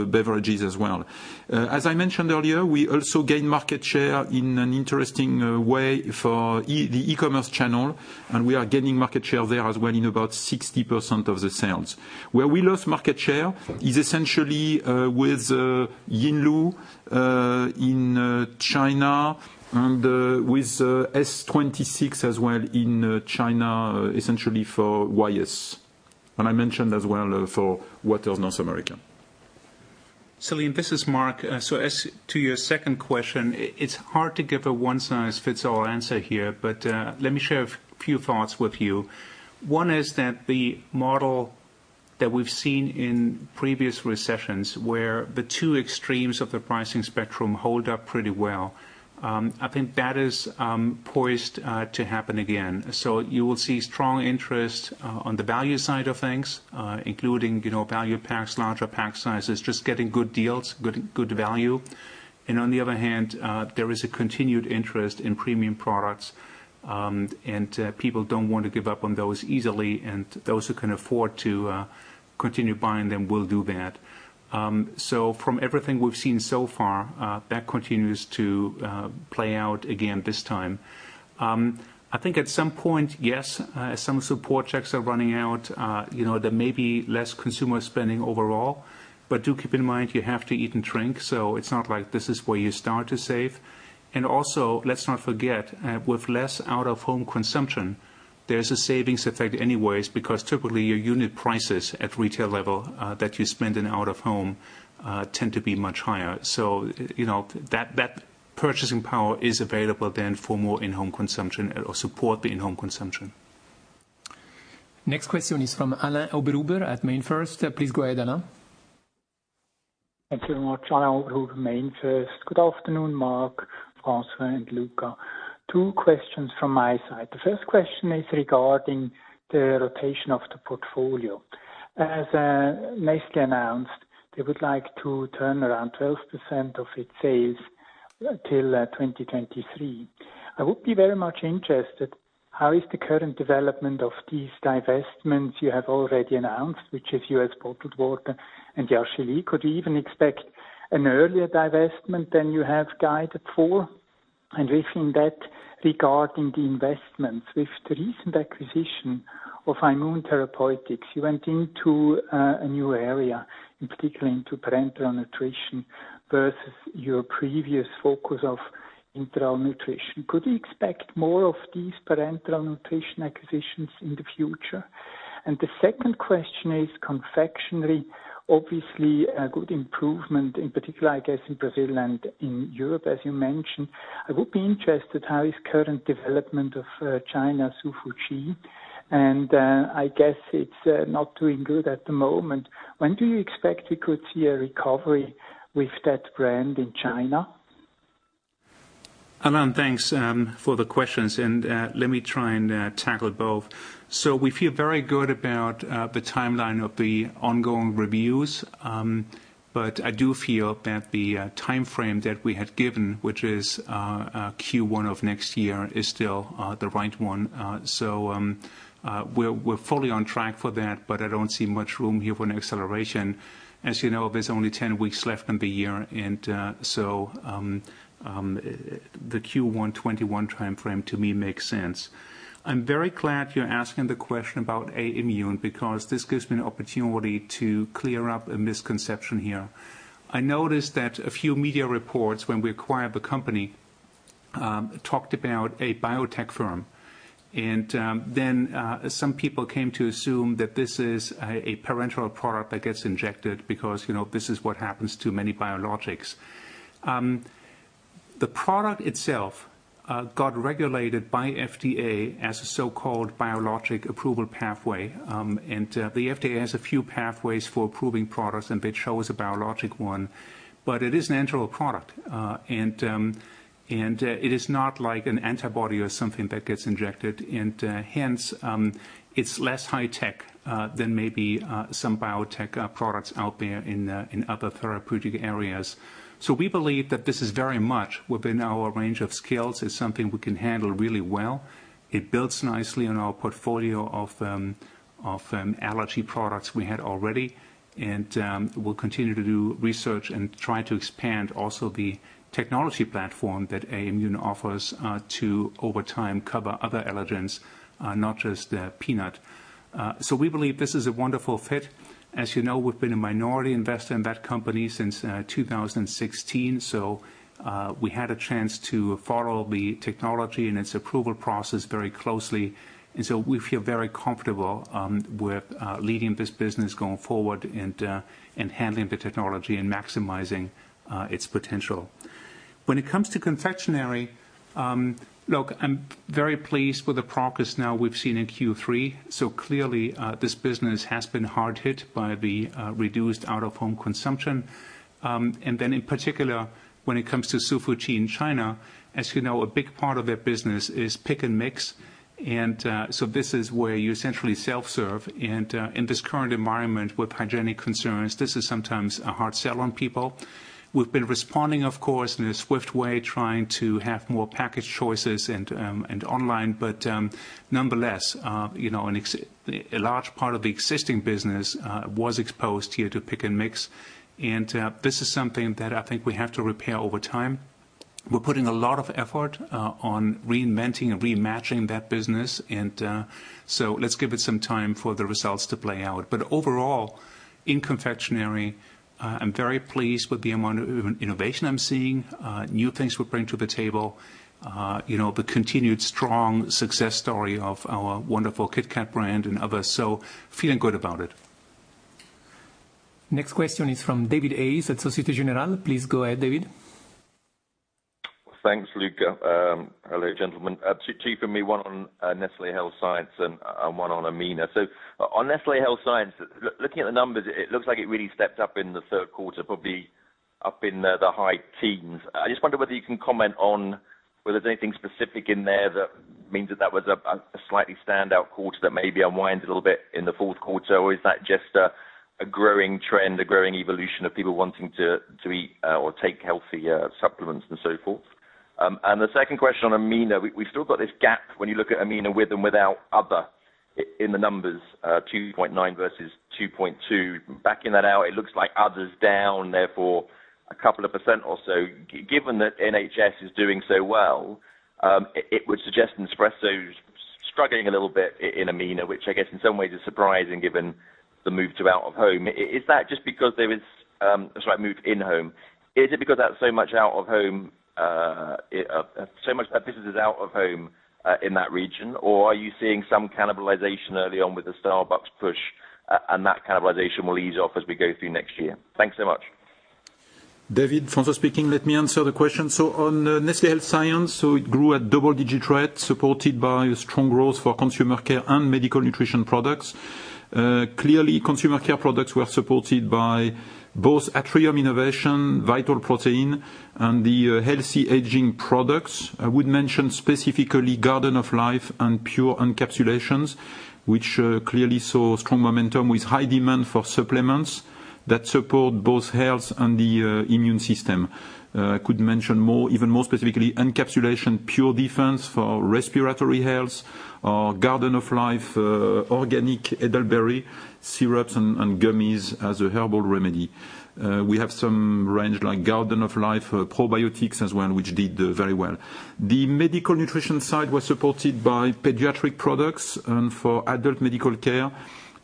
beverages as well. As I mentioned earlier, we also gain market share in an interesting way for the e-commerce channel, and we are gaining market share there as well in about 60% of the sales. Where we lost market share is essentially with Yinlu, in China and with S-26 as well in China, essentially for S-26. I mentioned as well for waters North America. Céline, this is Mark. As to your second question, it's hard to give a one-size-fits-all answer here, but let me share a few thoughts with you. One is that the model that we've seen in previous recessions, where the two extremes of the pricing spectrum hold up pretty well, I think that is poised to happen again. You will see strong interest on the value side of things, including value packs, larger pack sizes, just getting good deals, good value. On the other hand, there is a continued interest in premium products, and people don't want to give up on those easily, and those who can afford to continue buying them will do that. From everything we've seen so far, that continues to play out again this time. I think at some point, yes, some support checks are running out. There may be less consumer spending overall, but do keep in mind, you have to eat and drink, so it's not like this is where you start to save. Also, let's not forget, with less out of home consumption, there's a savings effect anyway, because typically your unit prices at retail level that you spend in out of home tend to be much higher. That purchasing power is available then for more in-home consumption or support the in-home consumption. Next question is from Alain Oberhuber at MainFirst. Please go ahead, Alain. Thank you very much, Alain Oberhuber, MainFirst. Good afternoon, Mark, François, and Luca. Two questions from my side. The first question is regarding the rotation of the portfolio. As Nestlé announced, they would like to turn around 12% of its sales till 2023. I would be very much interested, how is the current development of these divestments you have already announced, which is U.S. bottled water and Yinlu? Could we even expect an earlier divestment than you have guided for? Within that, regarding the investments, with the recent acquisition of Aimmune Therapeutics, you went into a new area, in particular into parenteral nutrition versus your previous focus of enteral nutrition. Could we expect more of these parenteral nutrition acquisitions in the future? The second question is confectionery, obviously a good improvement in particular, I guess, in Brazil and in Europe, as you mentioned. I would be interested, how is current development of China's Hsu Fu Chi? I guess it's not doing good at the moment. When do you expect we could see a recovery with that brand in China? Alain, thanks for the questions, and let me try and tackle both. We feel very good about the timeline of the ongoing reviews, but I do feel that the timeframe that we had given, which is Q1 of next year, is still the right one. We're fully on track for that, but I don't see much room here for an acceleration. As you know, there's only 10 weeks left in the year. The Q1 2021 timeframe to me makes sense. I'm very glad you're asking the question about Aimmune because this gives me an opportunity to clear up a misconception here. I noticed that a few media reports when we acquired the company, talked about a biotech firm, then some people came to assume that this is a parenteral product that gets injected because this is what happens to many biologics. The product itself got regulated by FDA as a so-called biologic approval pathway. The FDA has a few pathways for approving products, and they chose a biologic one. It is a natural product, and it is not like an antibody or something that gets injected, and hence, it is less high tech than maybe some biotech products out there in other therapeutic areas. We believe that this is very much within our range of skills. It's something we can handle really well. It builds nicely on our portfolio of allergy products we had already. We'll continue to do research and try to expand also the technology platform that Aimmune offers to, over time, cover other allergens, not just peanut. We believe this is a wonderful fit. As you know, we've been a minority investor in that company since 2016, so we had a chance to follow the technology and its approval process very closely. We feel very comfortable with leading this business going forward and handling the technology and maximizing its potential. When it comes to confectionery, look, I'm very pleased with the progress now we've seen in Q3. Clearly, this business has been hard hit by the reduced out-of-home consumption. In particular, when it comes to Hsu Fu Chi in China, as you know, a big part of their business is pick and mix. This is where you essentially self-serve. In this current environment with hygienic concerns, this is sometimes a hard sell on people. We've been responding, of course, in a swift way, trying to have more package choices and online. Nonetheless, a large part of the existing business was exposed here to pick-and-mix. This is something that I think we have to repair over time. We're putting a lot of effort on reinventing and rematching that business. Let's give it some time for the results to play out. Overall, in confectionery, I'm very pleased with the amount of innovation I'm seeing, new things we're bringing to the table. The continued strong success story of our wonderful KitKat brand and others. Feeling good about it. Next question is from David Hayes at Société Générale. Please go ahead, David. Thanks, Luca. Hello, gentlemen. Two from me, one on Nestlé Health Science and one on EMENA. On Nestlé Health Science, looking at the numbers, it looks like it really stepped up in the third quarter, probably up in the high teens. I just wonder whether you can comment on whether there's anything specific in there that means that that was a slightly standout quarter that maybe unwinds a little bit in the fourth quarter, or is that just a growing trend, a growing evolution of people wanting to eat or take healthier supplements and so forth? The second question on EMENA, we've still got this gap when you look at EMENA with and without other in the numbers, 2.9 versus 2.2. Backing that out, it looks like other's down, therefore a couple of % or so. Given that NHSc is doing so well, it would suggest Nespresso's struggling a little bit in EMENA, which I guess in some ways is surprising given the move to out of home. Sorry, move in-home. Is it because that's so much businesses out of home in that region? Are you seeing some cannibalization early on with the Starbucks push, and that cannibalization will ease off as we go through next year? Thanks so much. David, François speaking. Let me answer the question. On Nestlé Health Science, it grew at double-digit rate, supported by strong growth for consumer care and medical nutrition products. Clearly, consumer care products were supported by both Atrium Innovations, Vital Proteins, and the healthy aging products. I would mention specifically Garden of Life and Pure Encapsulations, which clearly saw strong momentum with high demand for supplements that support both health and the immune system. Could mention even more specifically Pure Encapsulations PureDefense for respiratory health or Garden of Life organic elderberry syrups and gummies as a herbal remedy. We have some range like Garden of Life probiotics as well, which did very well. The medical nutrition side was supported by pediatric products and for adult medical care.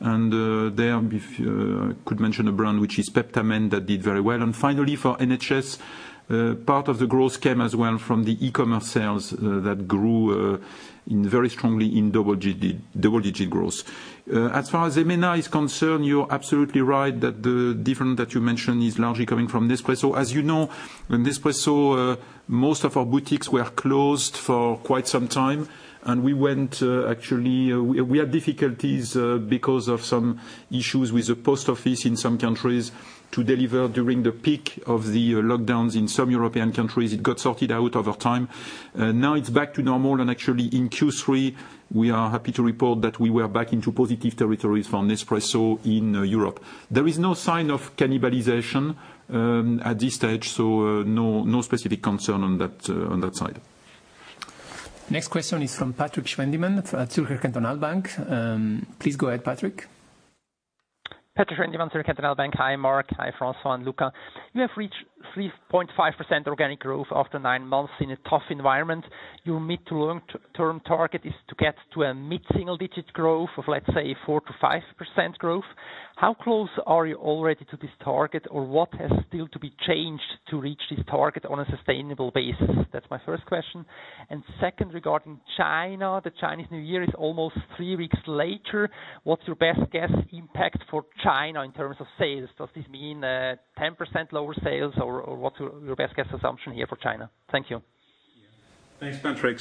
There, I could mention a brand which is Peptamen, that did very well. Finally, for NHSc, part of the growth came as well from the e-commerce sales that grew very strongly in double-digit growth. As far as EMENA is concerned, you're absolutely right that the difference that you mentioned is largely coming from Nespresso. As you know, in Nespresso, most of our boutiques were closed for quite some time, and we had difficulties because of some issues with the post office in some countries to deliver during the peak of the lockdowns in some European countries. It got sorted out over time. Now it's back to normal, and actually in Q3, we are happy to report that we were back into positive territories for Nespresso in Europe. There is no sign of cannibalization at this stage, so no specific concern on that side. Next question is from Patrik Schwendimann at Zürcher Kantonalbank. Please go ahead, Patrik. Patrik Schwendimann, Zürcher Kantonalbank. Hi, Mark. Hi, François and Luca. You have reached 3.5% organic growth after nine months in a tough environment. Your mid to long-term target is to get to a mid-single digit growth of, let's say, 4%-5% growth. How close are you already to this target, or what has still to be changed to reach this target on a sustainable basis? That's my first question. Second, regarding China, the Chinese New Year is almost three weeks later. What's your best guess impact for China in terms of sales? Does this mean 10% lower sales, or what's your best guess assumption here for China? Thank you. Thanks, Patrik.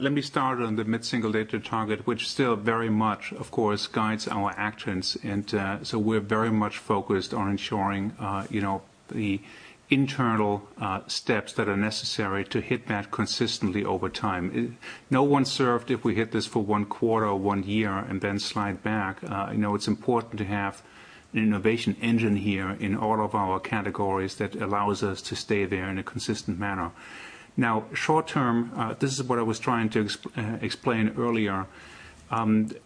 Let me start on the mid-single-digit target, which still very much, of course, guides our actions. We're very much focused on ensuring the internal steps that are necessary to hit that consistently over time. No one's served if we hit this for one quarter or one year and then slide back. I know it's important to have an innovation engine here in all of our categories that allows us to stay there in a consistent manner. Short term, this is what I was trying to explain earlier.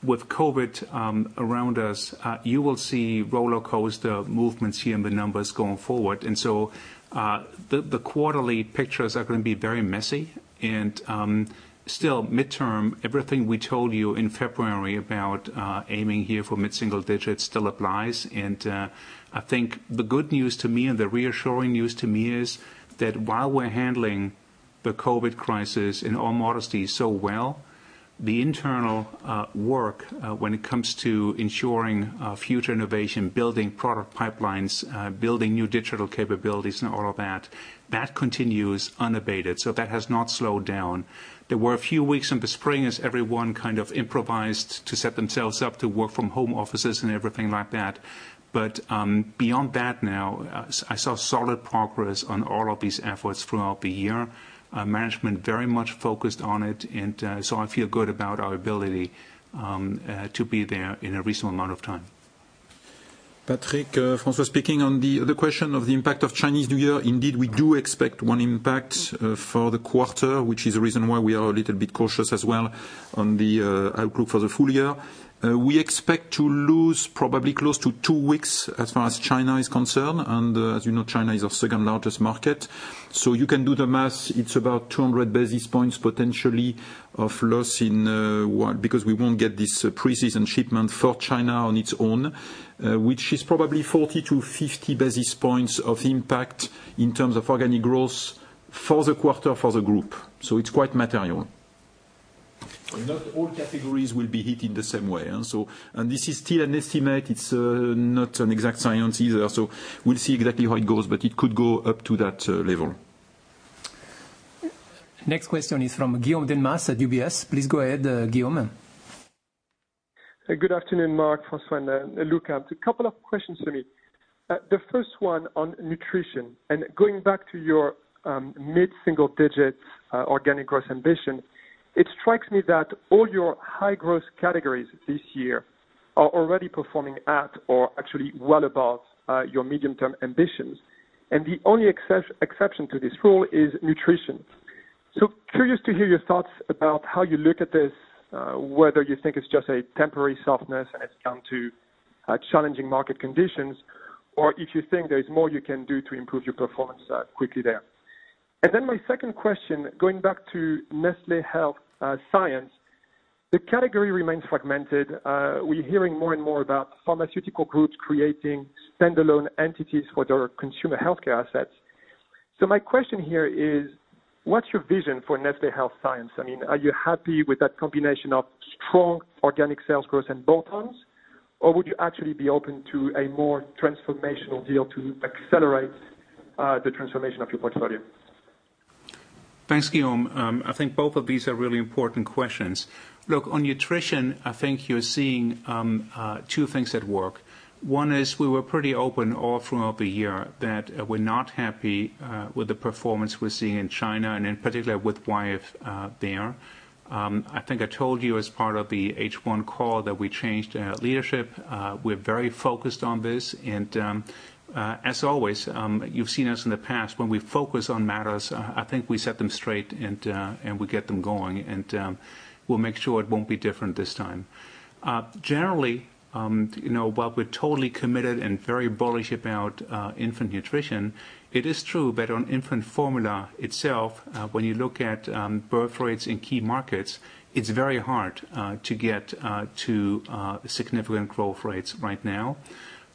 With COVID-19 around us, you will see rollercoaster movements here in the numbers going forward. The quarterly pictures are going to be very messy and still midterm, everything we told you in February about aiming here for mid-single digits still applies. I think the good news to me and the reassuring news to me is that while we're handling the COVID-19 crisis, in all modesty, so well, the internal work when it comes to ensuring future innovation, building product pipelines, building new digital capabilities, and all of that continues unabated. That has not slowed down. There were a few weeks in the spring as everyone kind of improvised to set themselves up to work from home offices and everything like that. Beyond that now, I saw solid progress on all of these efforts throughout the year. Management very much focused on it. I feel good about our ability to be there in a reasonable amount of time. Patrik, François speaking. On the other question of the impact of Chinese New Year, indeed, we do expect one impact for the quarter, which is the reason why we are a little bit cautious as well on the outlook for the full year. We expect to lose probably close to two weeks as far as China is concerned. As you know, China is our second largest market. You can do the math. It's about 200 basis points potentially of loss in one, because we won't get this pre-season shipment for China on its own, which is probably 40-50 basis points of impact in terms of organic growth for the quarter for the group. Not all categories will be hit in the same way. This is still an estimate. It's not an exact science either. We'll see exactly how it goes, but it could go up to that level. Next question is from Guillaume Delmas at UBS. Please go ahead, Guillaume. Good afternoon, Mark, François, and Luca. A couple of questions for me. The first one on nutrition, going back to your mid-single-digit organic growth ambition, it strikes me that all your high-growth categories this year are already performing at or actually well above your medium-term ambitions, and the only exception to this rule is nutrition. Curious to hear your thoughts about how you look at this, whether you think it's just a temporary softness and it's down to challenging market conditions, or if you think there's more you can do to improve your performance quickly there. My second question, going back to Nestlé Health Science, the category remains fragmented. We're hearing more and more about pharmaceutical groups creating standalone entities for their consumer healthcare assets. My question here is, what's your vision for Nestlé Health Science? Are you happy with that combination of strong organic sales growth and bolt-ons, or would you actually be open to a more transformational deal to accelerate the transformation of your portfolio? Thanks, Guillaume. I think both of these are really important questions. On nutrition, I think you're seeing two things at work. One is we were pretty open all throughout the year that we're not happy with the performance we're seeing in China, and in particular with Wyeth there. I think I told you as part of the H1 call that we changed leadership. We're very focused on this. As always, you've seen us in the past, when we focus on matters, I think we set them straight, and we get them going, and we'll make sure it won't be different this time. While we're totally committed and very bullish about infant nutrition, it is true that on infant formula itself, when you look at birth rates in key markets, it's very hard to get to significant growth rates right now.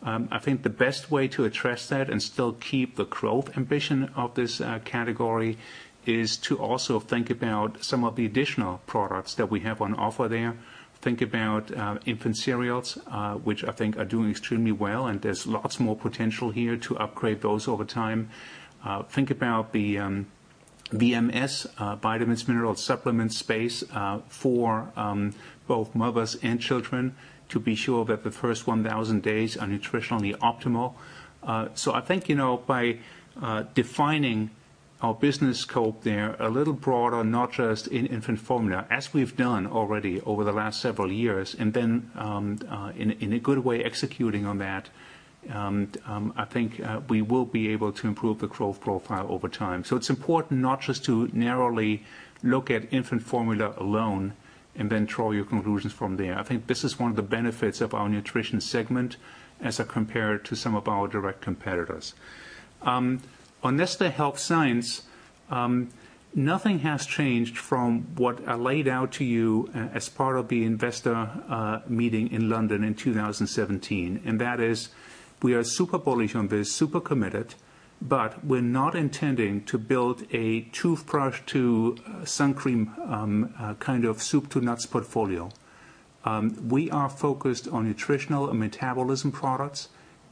I think the best way to address that and still keep the growth ambition of this category is to also think about some of the additional products that we have on offer there. Think about infant cereals, which I think are doing extremely well, and there's lots more potential here to upgrade those over time. Think about the VMS, vitamins, mineral, and supplement space for both mothers and children to be sure that the first 1,000 days are nutritionally optimal. I think by defining our business scope there a little broader, not just in infant formula, as we've done already over the last several years, and then in a good way executing on that, I think we will be able to improve the growth profile over time. It's important not just to narrowly look at infant formula alone and then draw your conclusions from there. I think this is one of the benefits of our nutrition segment as compared to some of our direct competitors. On Nestlé Health Science, nothing has changed from what I laid out to you as part of the investor meeting in London in 2017. That is, we are super bullish on this, super committed, but we're not intending to build a toothbrush to sun cream kind of soup to nuts portfolio. We are focused on nutritional and metabolism products.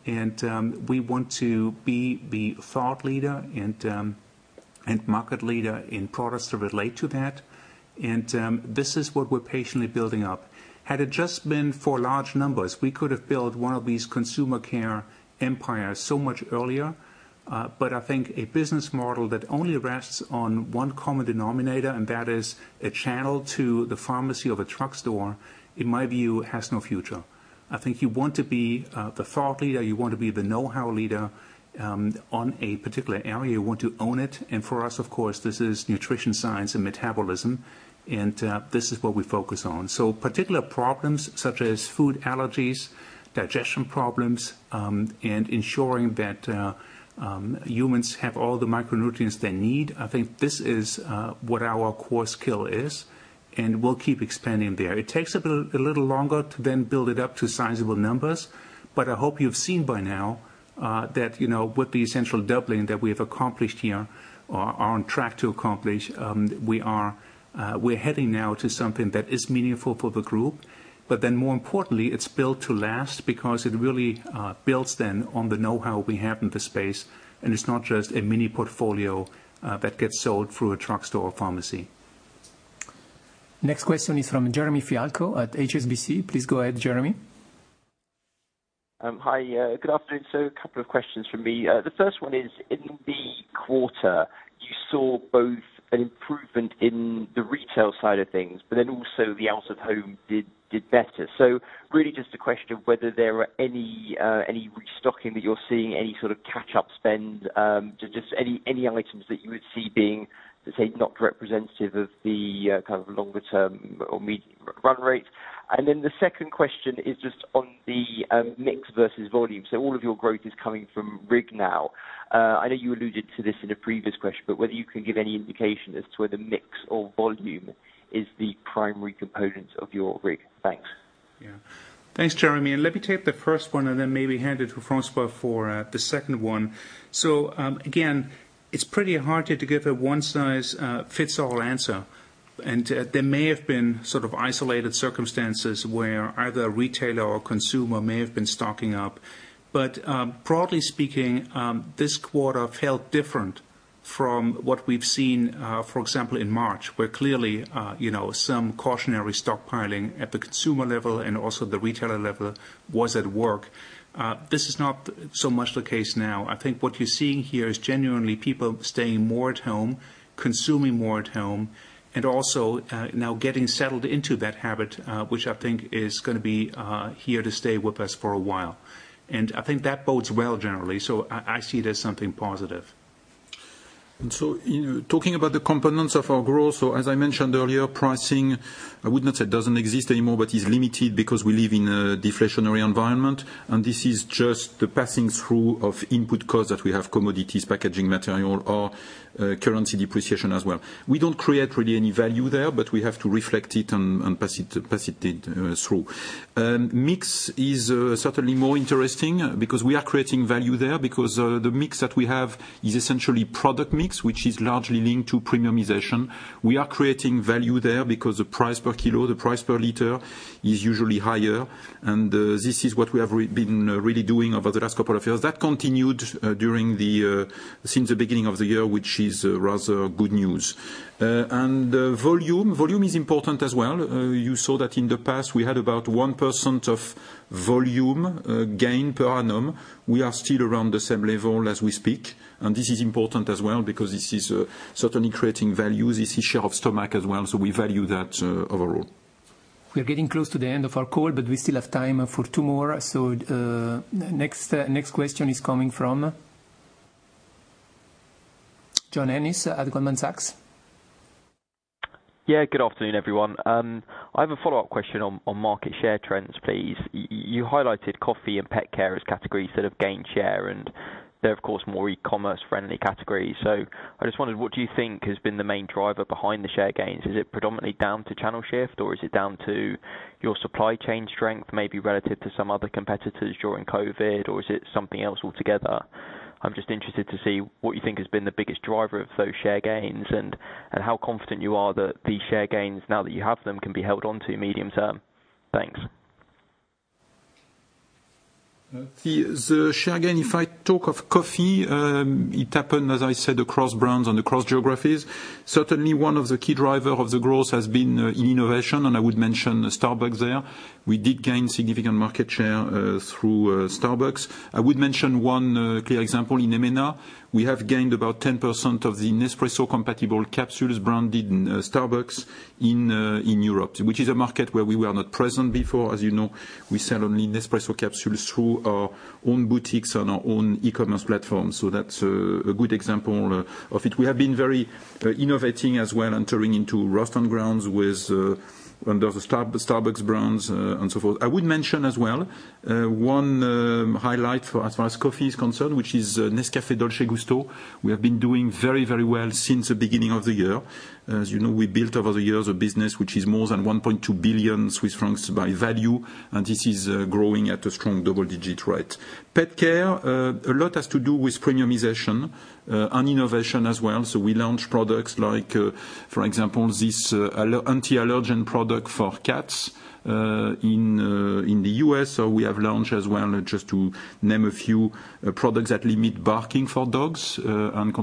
We want to be the thought leader and market leader in products that relate to that. This is what we're patiently building up. Had it just been for large numbers, we could have built one of these consumer care empires so much earlier. I think a business model that only rests on one common denominator, and that is a channel to the pharmacy of a drugstore, in my view, has no future. I think you want to be the thought leader. You want to be the know-how leader on a particular area. You want to own it. For us, of course, this is nutrition science and metabolism, and this is what we focus on. Particular problems such as food allergies, digestion problems, and ensuring that humans have all the micronutrients they need, I think this is what our core skill is, and we'll keep expanding there. It takes a little longer to then build it up to sizable numbers, but I hope you've seen by now that with the essential doubling that we have accomplished here, or are on track to accomplish, we're heading now to something that is meaningful for the group. More importantly, it's built to last because it really builds then on the know-how we have in the space, and it's not just a mini portfolio that gets sold through a drugstore or pharmacy. Next question is from Jeremy Fialko at HSBC. Please go ahead, Jeremy. Hi, good afternoon. A couple of questions from me. The first one is, in the quarter, you saw both an improvement in the retail side of things, but then also the out-of-home did better. Really just a question of whether there are any restocking that you're seeing, any sort of catch-up spend, just any items that you would see being, let's say, not representative of the kind of longer-term or mid run rate. The second question is just on the mix versus volume. All of your growth is coming from RIG now. I know you alluded to this in a previous question, but whether you can give any indication as to whether mix or volume is the primary component of your RIG. Thanks. Thanks, Jeremy. Let me take the first one. Then maybe hand it to François for the second one. Again, it's pretty hard to give a one-size-fits-all answer. There may have been sort of isolated circumstances where either retailer or consumer may have been stocking up. Broadly speaking, this quarter felt different from what we've seen, for example, in March, where clearly some cautionary stockpiling at the consumer level and also the retailer level was at work. This is not so much the case now. I think what you're seeing here is genuinely people staying more at home, consuming more at home, and also now getting settled into that habit, which I think is going to be here to stay with us for a while. I think that bodes well generally. I see it as something positive. Talking about the components of our growth, as I mentioned earlier, pricing, I would not say it doesn't exist anymore, but is limited because we live in a deflationary environment, and this is just the passing through of input costs that we have commodities, packaging material, or currency depreciation as well. We don't create really any value there, but we have to reflect it and pass it through. Mix is certainly more interesting because we are creating value there because the mix that we have is essentially product mix, which is largely linked to premiumization. We are creating value there because the price per kilo, the price per liter, is usually higher, and this is what we have been really doing over the last couple of years. That continued since the beginning of the year, which is rather good news. Volume is important as well. You saw that in the past we had about 1% of volume gain per annum. We are still around the same level as we speak, and this is important as well because this is certainly creating value. This is share of stomach as well, so we value that overall. We are getting close to the end of our call, we still have time for two more. The next question is coming from John Ennis at Goldman Sachs. Yeah, good afternoon, everyone. I have a follow-up question on market share trends, please. You highlighted coffee and pet care as categories that have gained share, and they're of course more e-commerce friendly categories. I just wondered, what do you think has been the main driver behind the share gains? Is it predominantly down to channel shift, or is it down to your supply chain strength, maybe relative to some other competitors during COVID, or is it something else altogether? I'm just interested to see what you think has been the biggest driver of those share gains and how confident you are that these share gains, now that you have them, can be held onto medium-term. Thanks. The share gain, if I talk of coffee, it happened, as I said, across brands and across geographies. Certainly one of the key driver of the growth has been in innovation. I would mention Starbucks there. We did gain significant market share through Starbucks. I would mention one clear example in EMENA. We have gained about 10% of the Nespresso compatible capsules branded Starbucks in Europe, which is a market where we were not present before. As you know, we sell only Nespresso capsules through our own boutiques and our own e-commerce platform. That's a good example of it. We have been very innovative as well, entering into roasted grounds under the Starbucks brands and so forth. I would mention as well, one highlight as far as coffee is concerned, which is Nescafé Dolce Gusto. We have been doing very well since the beginning of the year. As you know, we built over the years a business which is more than 1.2 billion Swiss francs by value, and this is growing at a strong double-digit rate. Pet care, a lot has to do with premiumization, and innovation as well. We launched products like, for example, this Purina Pro Plan LiveClear for cats in the U.S. We have launched as well, just to name a few, products that limit barking for dogs, and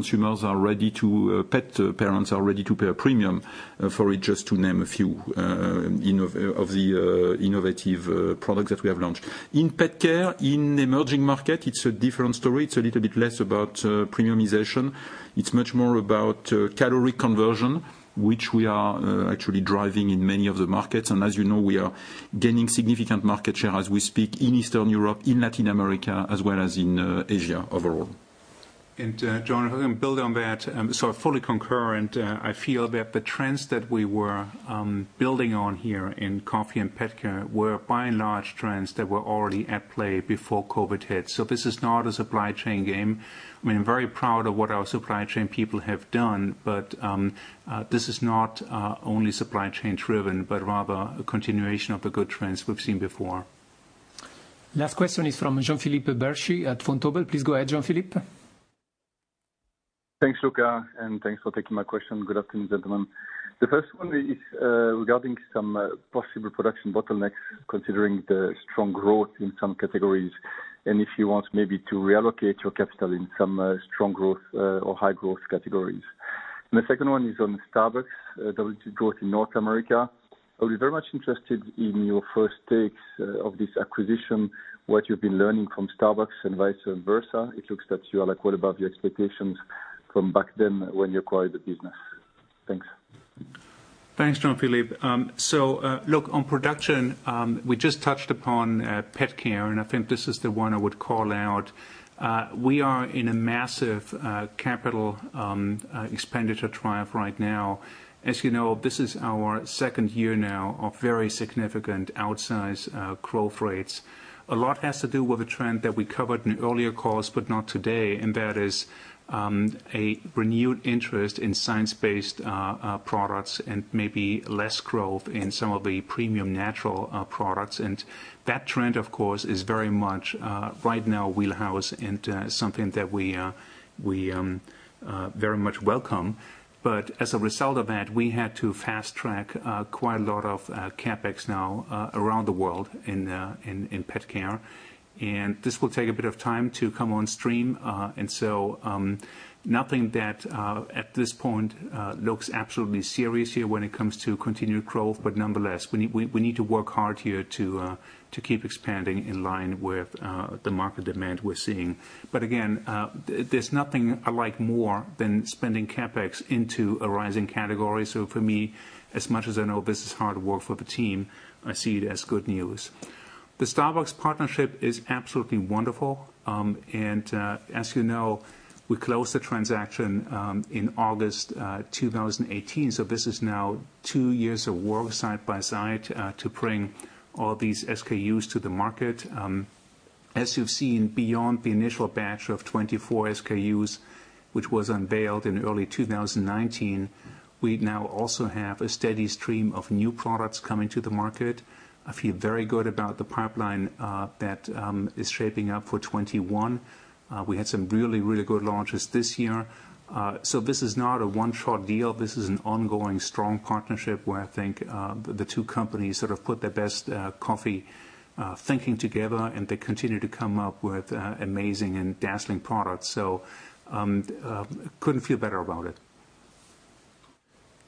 pet parents are ready to pay a premium for it, just to name a few of the innovative products that we have launched. In pet care in emerging market, it's a different story. It's a little bit less about premiumization. It's much more about calorie conversion, which we are actually driving in many of the markets. As you know, we are gaining significant market share as we speak in Eastern Europe, in Latin America, as well as in Asia overall. Jon, I'm going to build on that. Fully concurrent, I feel that the trends that we were building on here in coffee and pet care were by and large trends that were already at play before COVID hit. This is not a supply chain game. I'm very proud of what our supply chain people have done, but this is not only supply chain driven, but rather a continuation of the good trends we've seen before. Last question is from Jean-Philippe Bertschy at Vontobel. Please go ahead, Jean-Philippe. Thanks, Luca, and thanks for taking my question. Good afternoon, gentlemen. The first one is regarding some possible production bottlenecks, considering the strong growth in some categories, and if you want maybe to reallocate your capital in some strong growth or high growth categories. The second one is on Starbucks at-home growth in North America. I'll be very much interested in your first takes of this acquisition, what you've been learning from Starbucks and vice versa. It looks that you are like well above your expectations from back then when you acquired the business. Thanks. Thanks, Jean-Philippe. On production, we just touched upon pet care, and I think this is the one I would call out. We are in a massive capital expenditure triumph right now. As you know, this is our second year now of very significant outsized growth rates. A lot has to do with a trend that we covered in earlier calls, but not today, and that is a renewed interest in science-based products and maybe less growth in some of the premium natural products. That trend, of course, is very much right in our wheelhouse and something that we very much welcome. As a result of that, we had to fast-track quite a lot of CapEx now around the world in pet care. This will take a bit of time to come on stream. Nothing that at this point looks absolutely serious here when it comes to continued growth. We need to work hard here to keep expanding in line with the market demand we're seeing. Again, there's nothing I like more than spending CapEx into a rising category. For me, as much as I know this is hard work for the team, I see it as good news. The Starbucks partnership is absolutely wonderful, and as you know, we closed the transaction in August 2018. This is now two years of work side by side to bring all these SKUs to the market. As you've seen, beyond the initial batch of 24 SKUs, which was unveiled in early 2019, we now also have a steady stream of new products coming to the market. I feel very good about the pipeline that is shaping up for 2021. We had some really, really good launches this year. This is not a one-shot deal. This is an ongoing strong partnership where I think the two companies sort of put their best coffee thinking together, and they continue to come up with amazing and dazzling products. Couldn't feel better about it.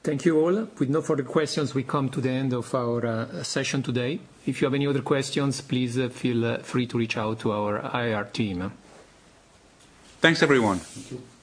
Thank you all. With no further questions, we come to the end of our session today. If you have any other questions, please feel free to reach out to our IR team. Thanks, everyone. Thank you.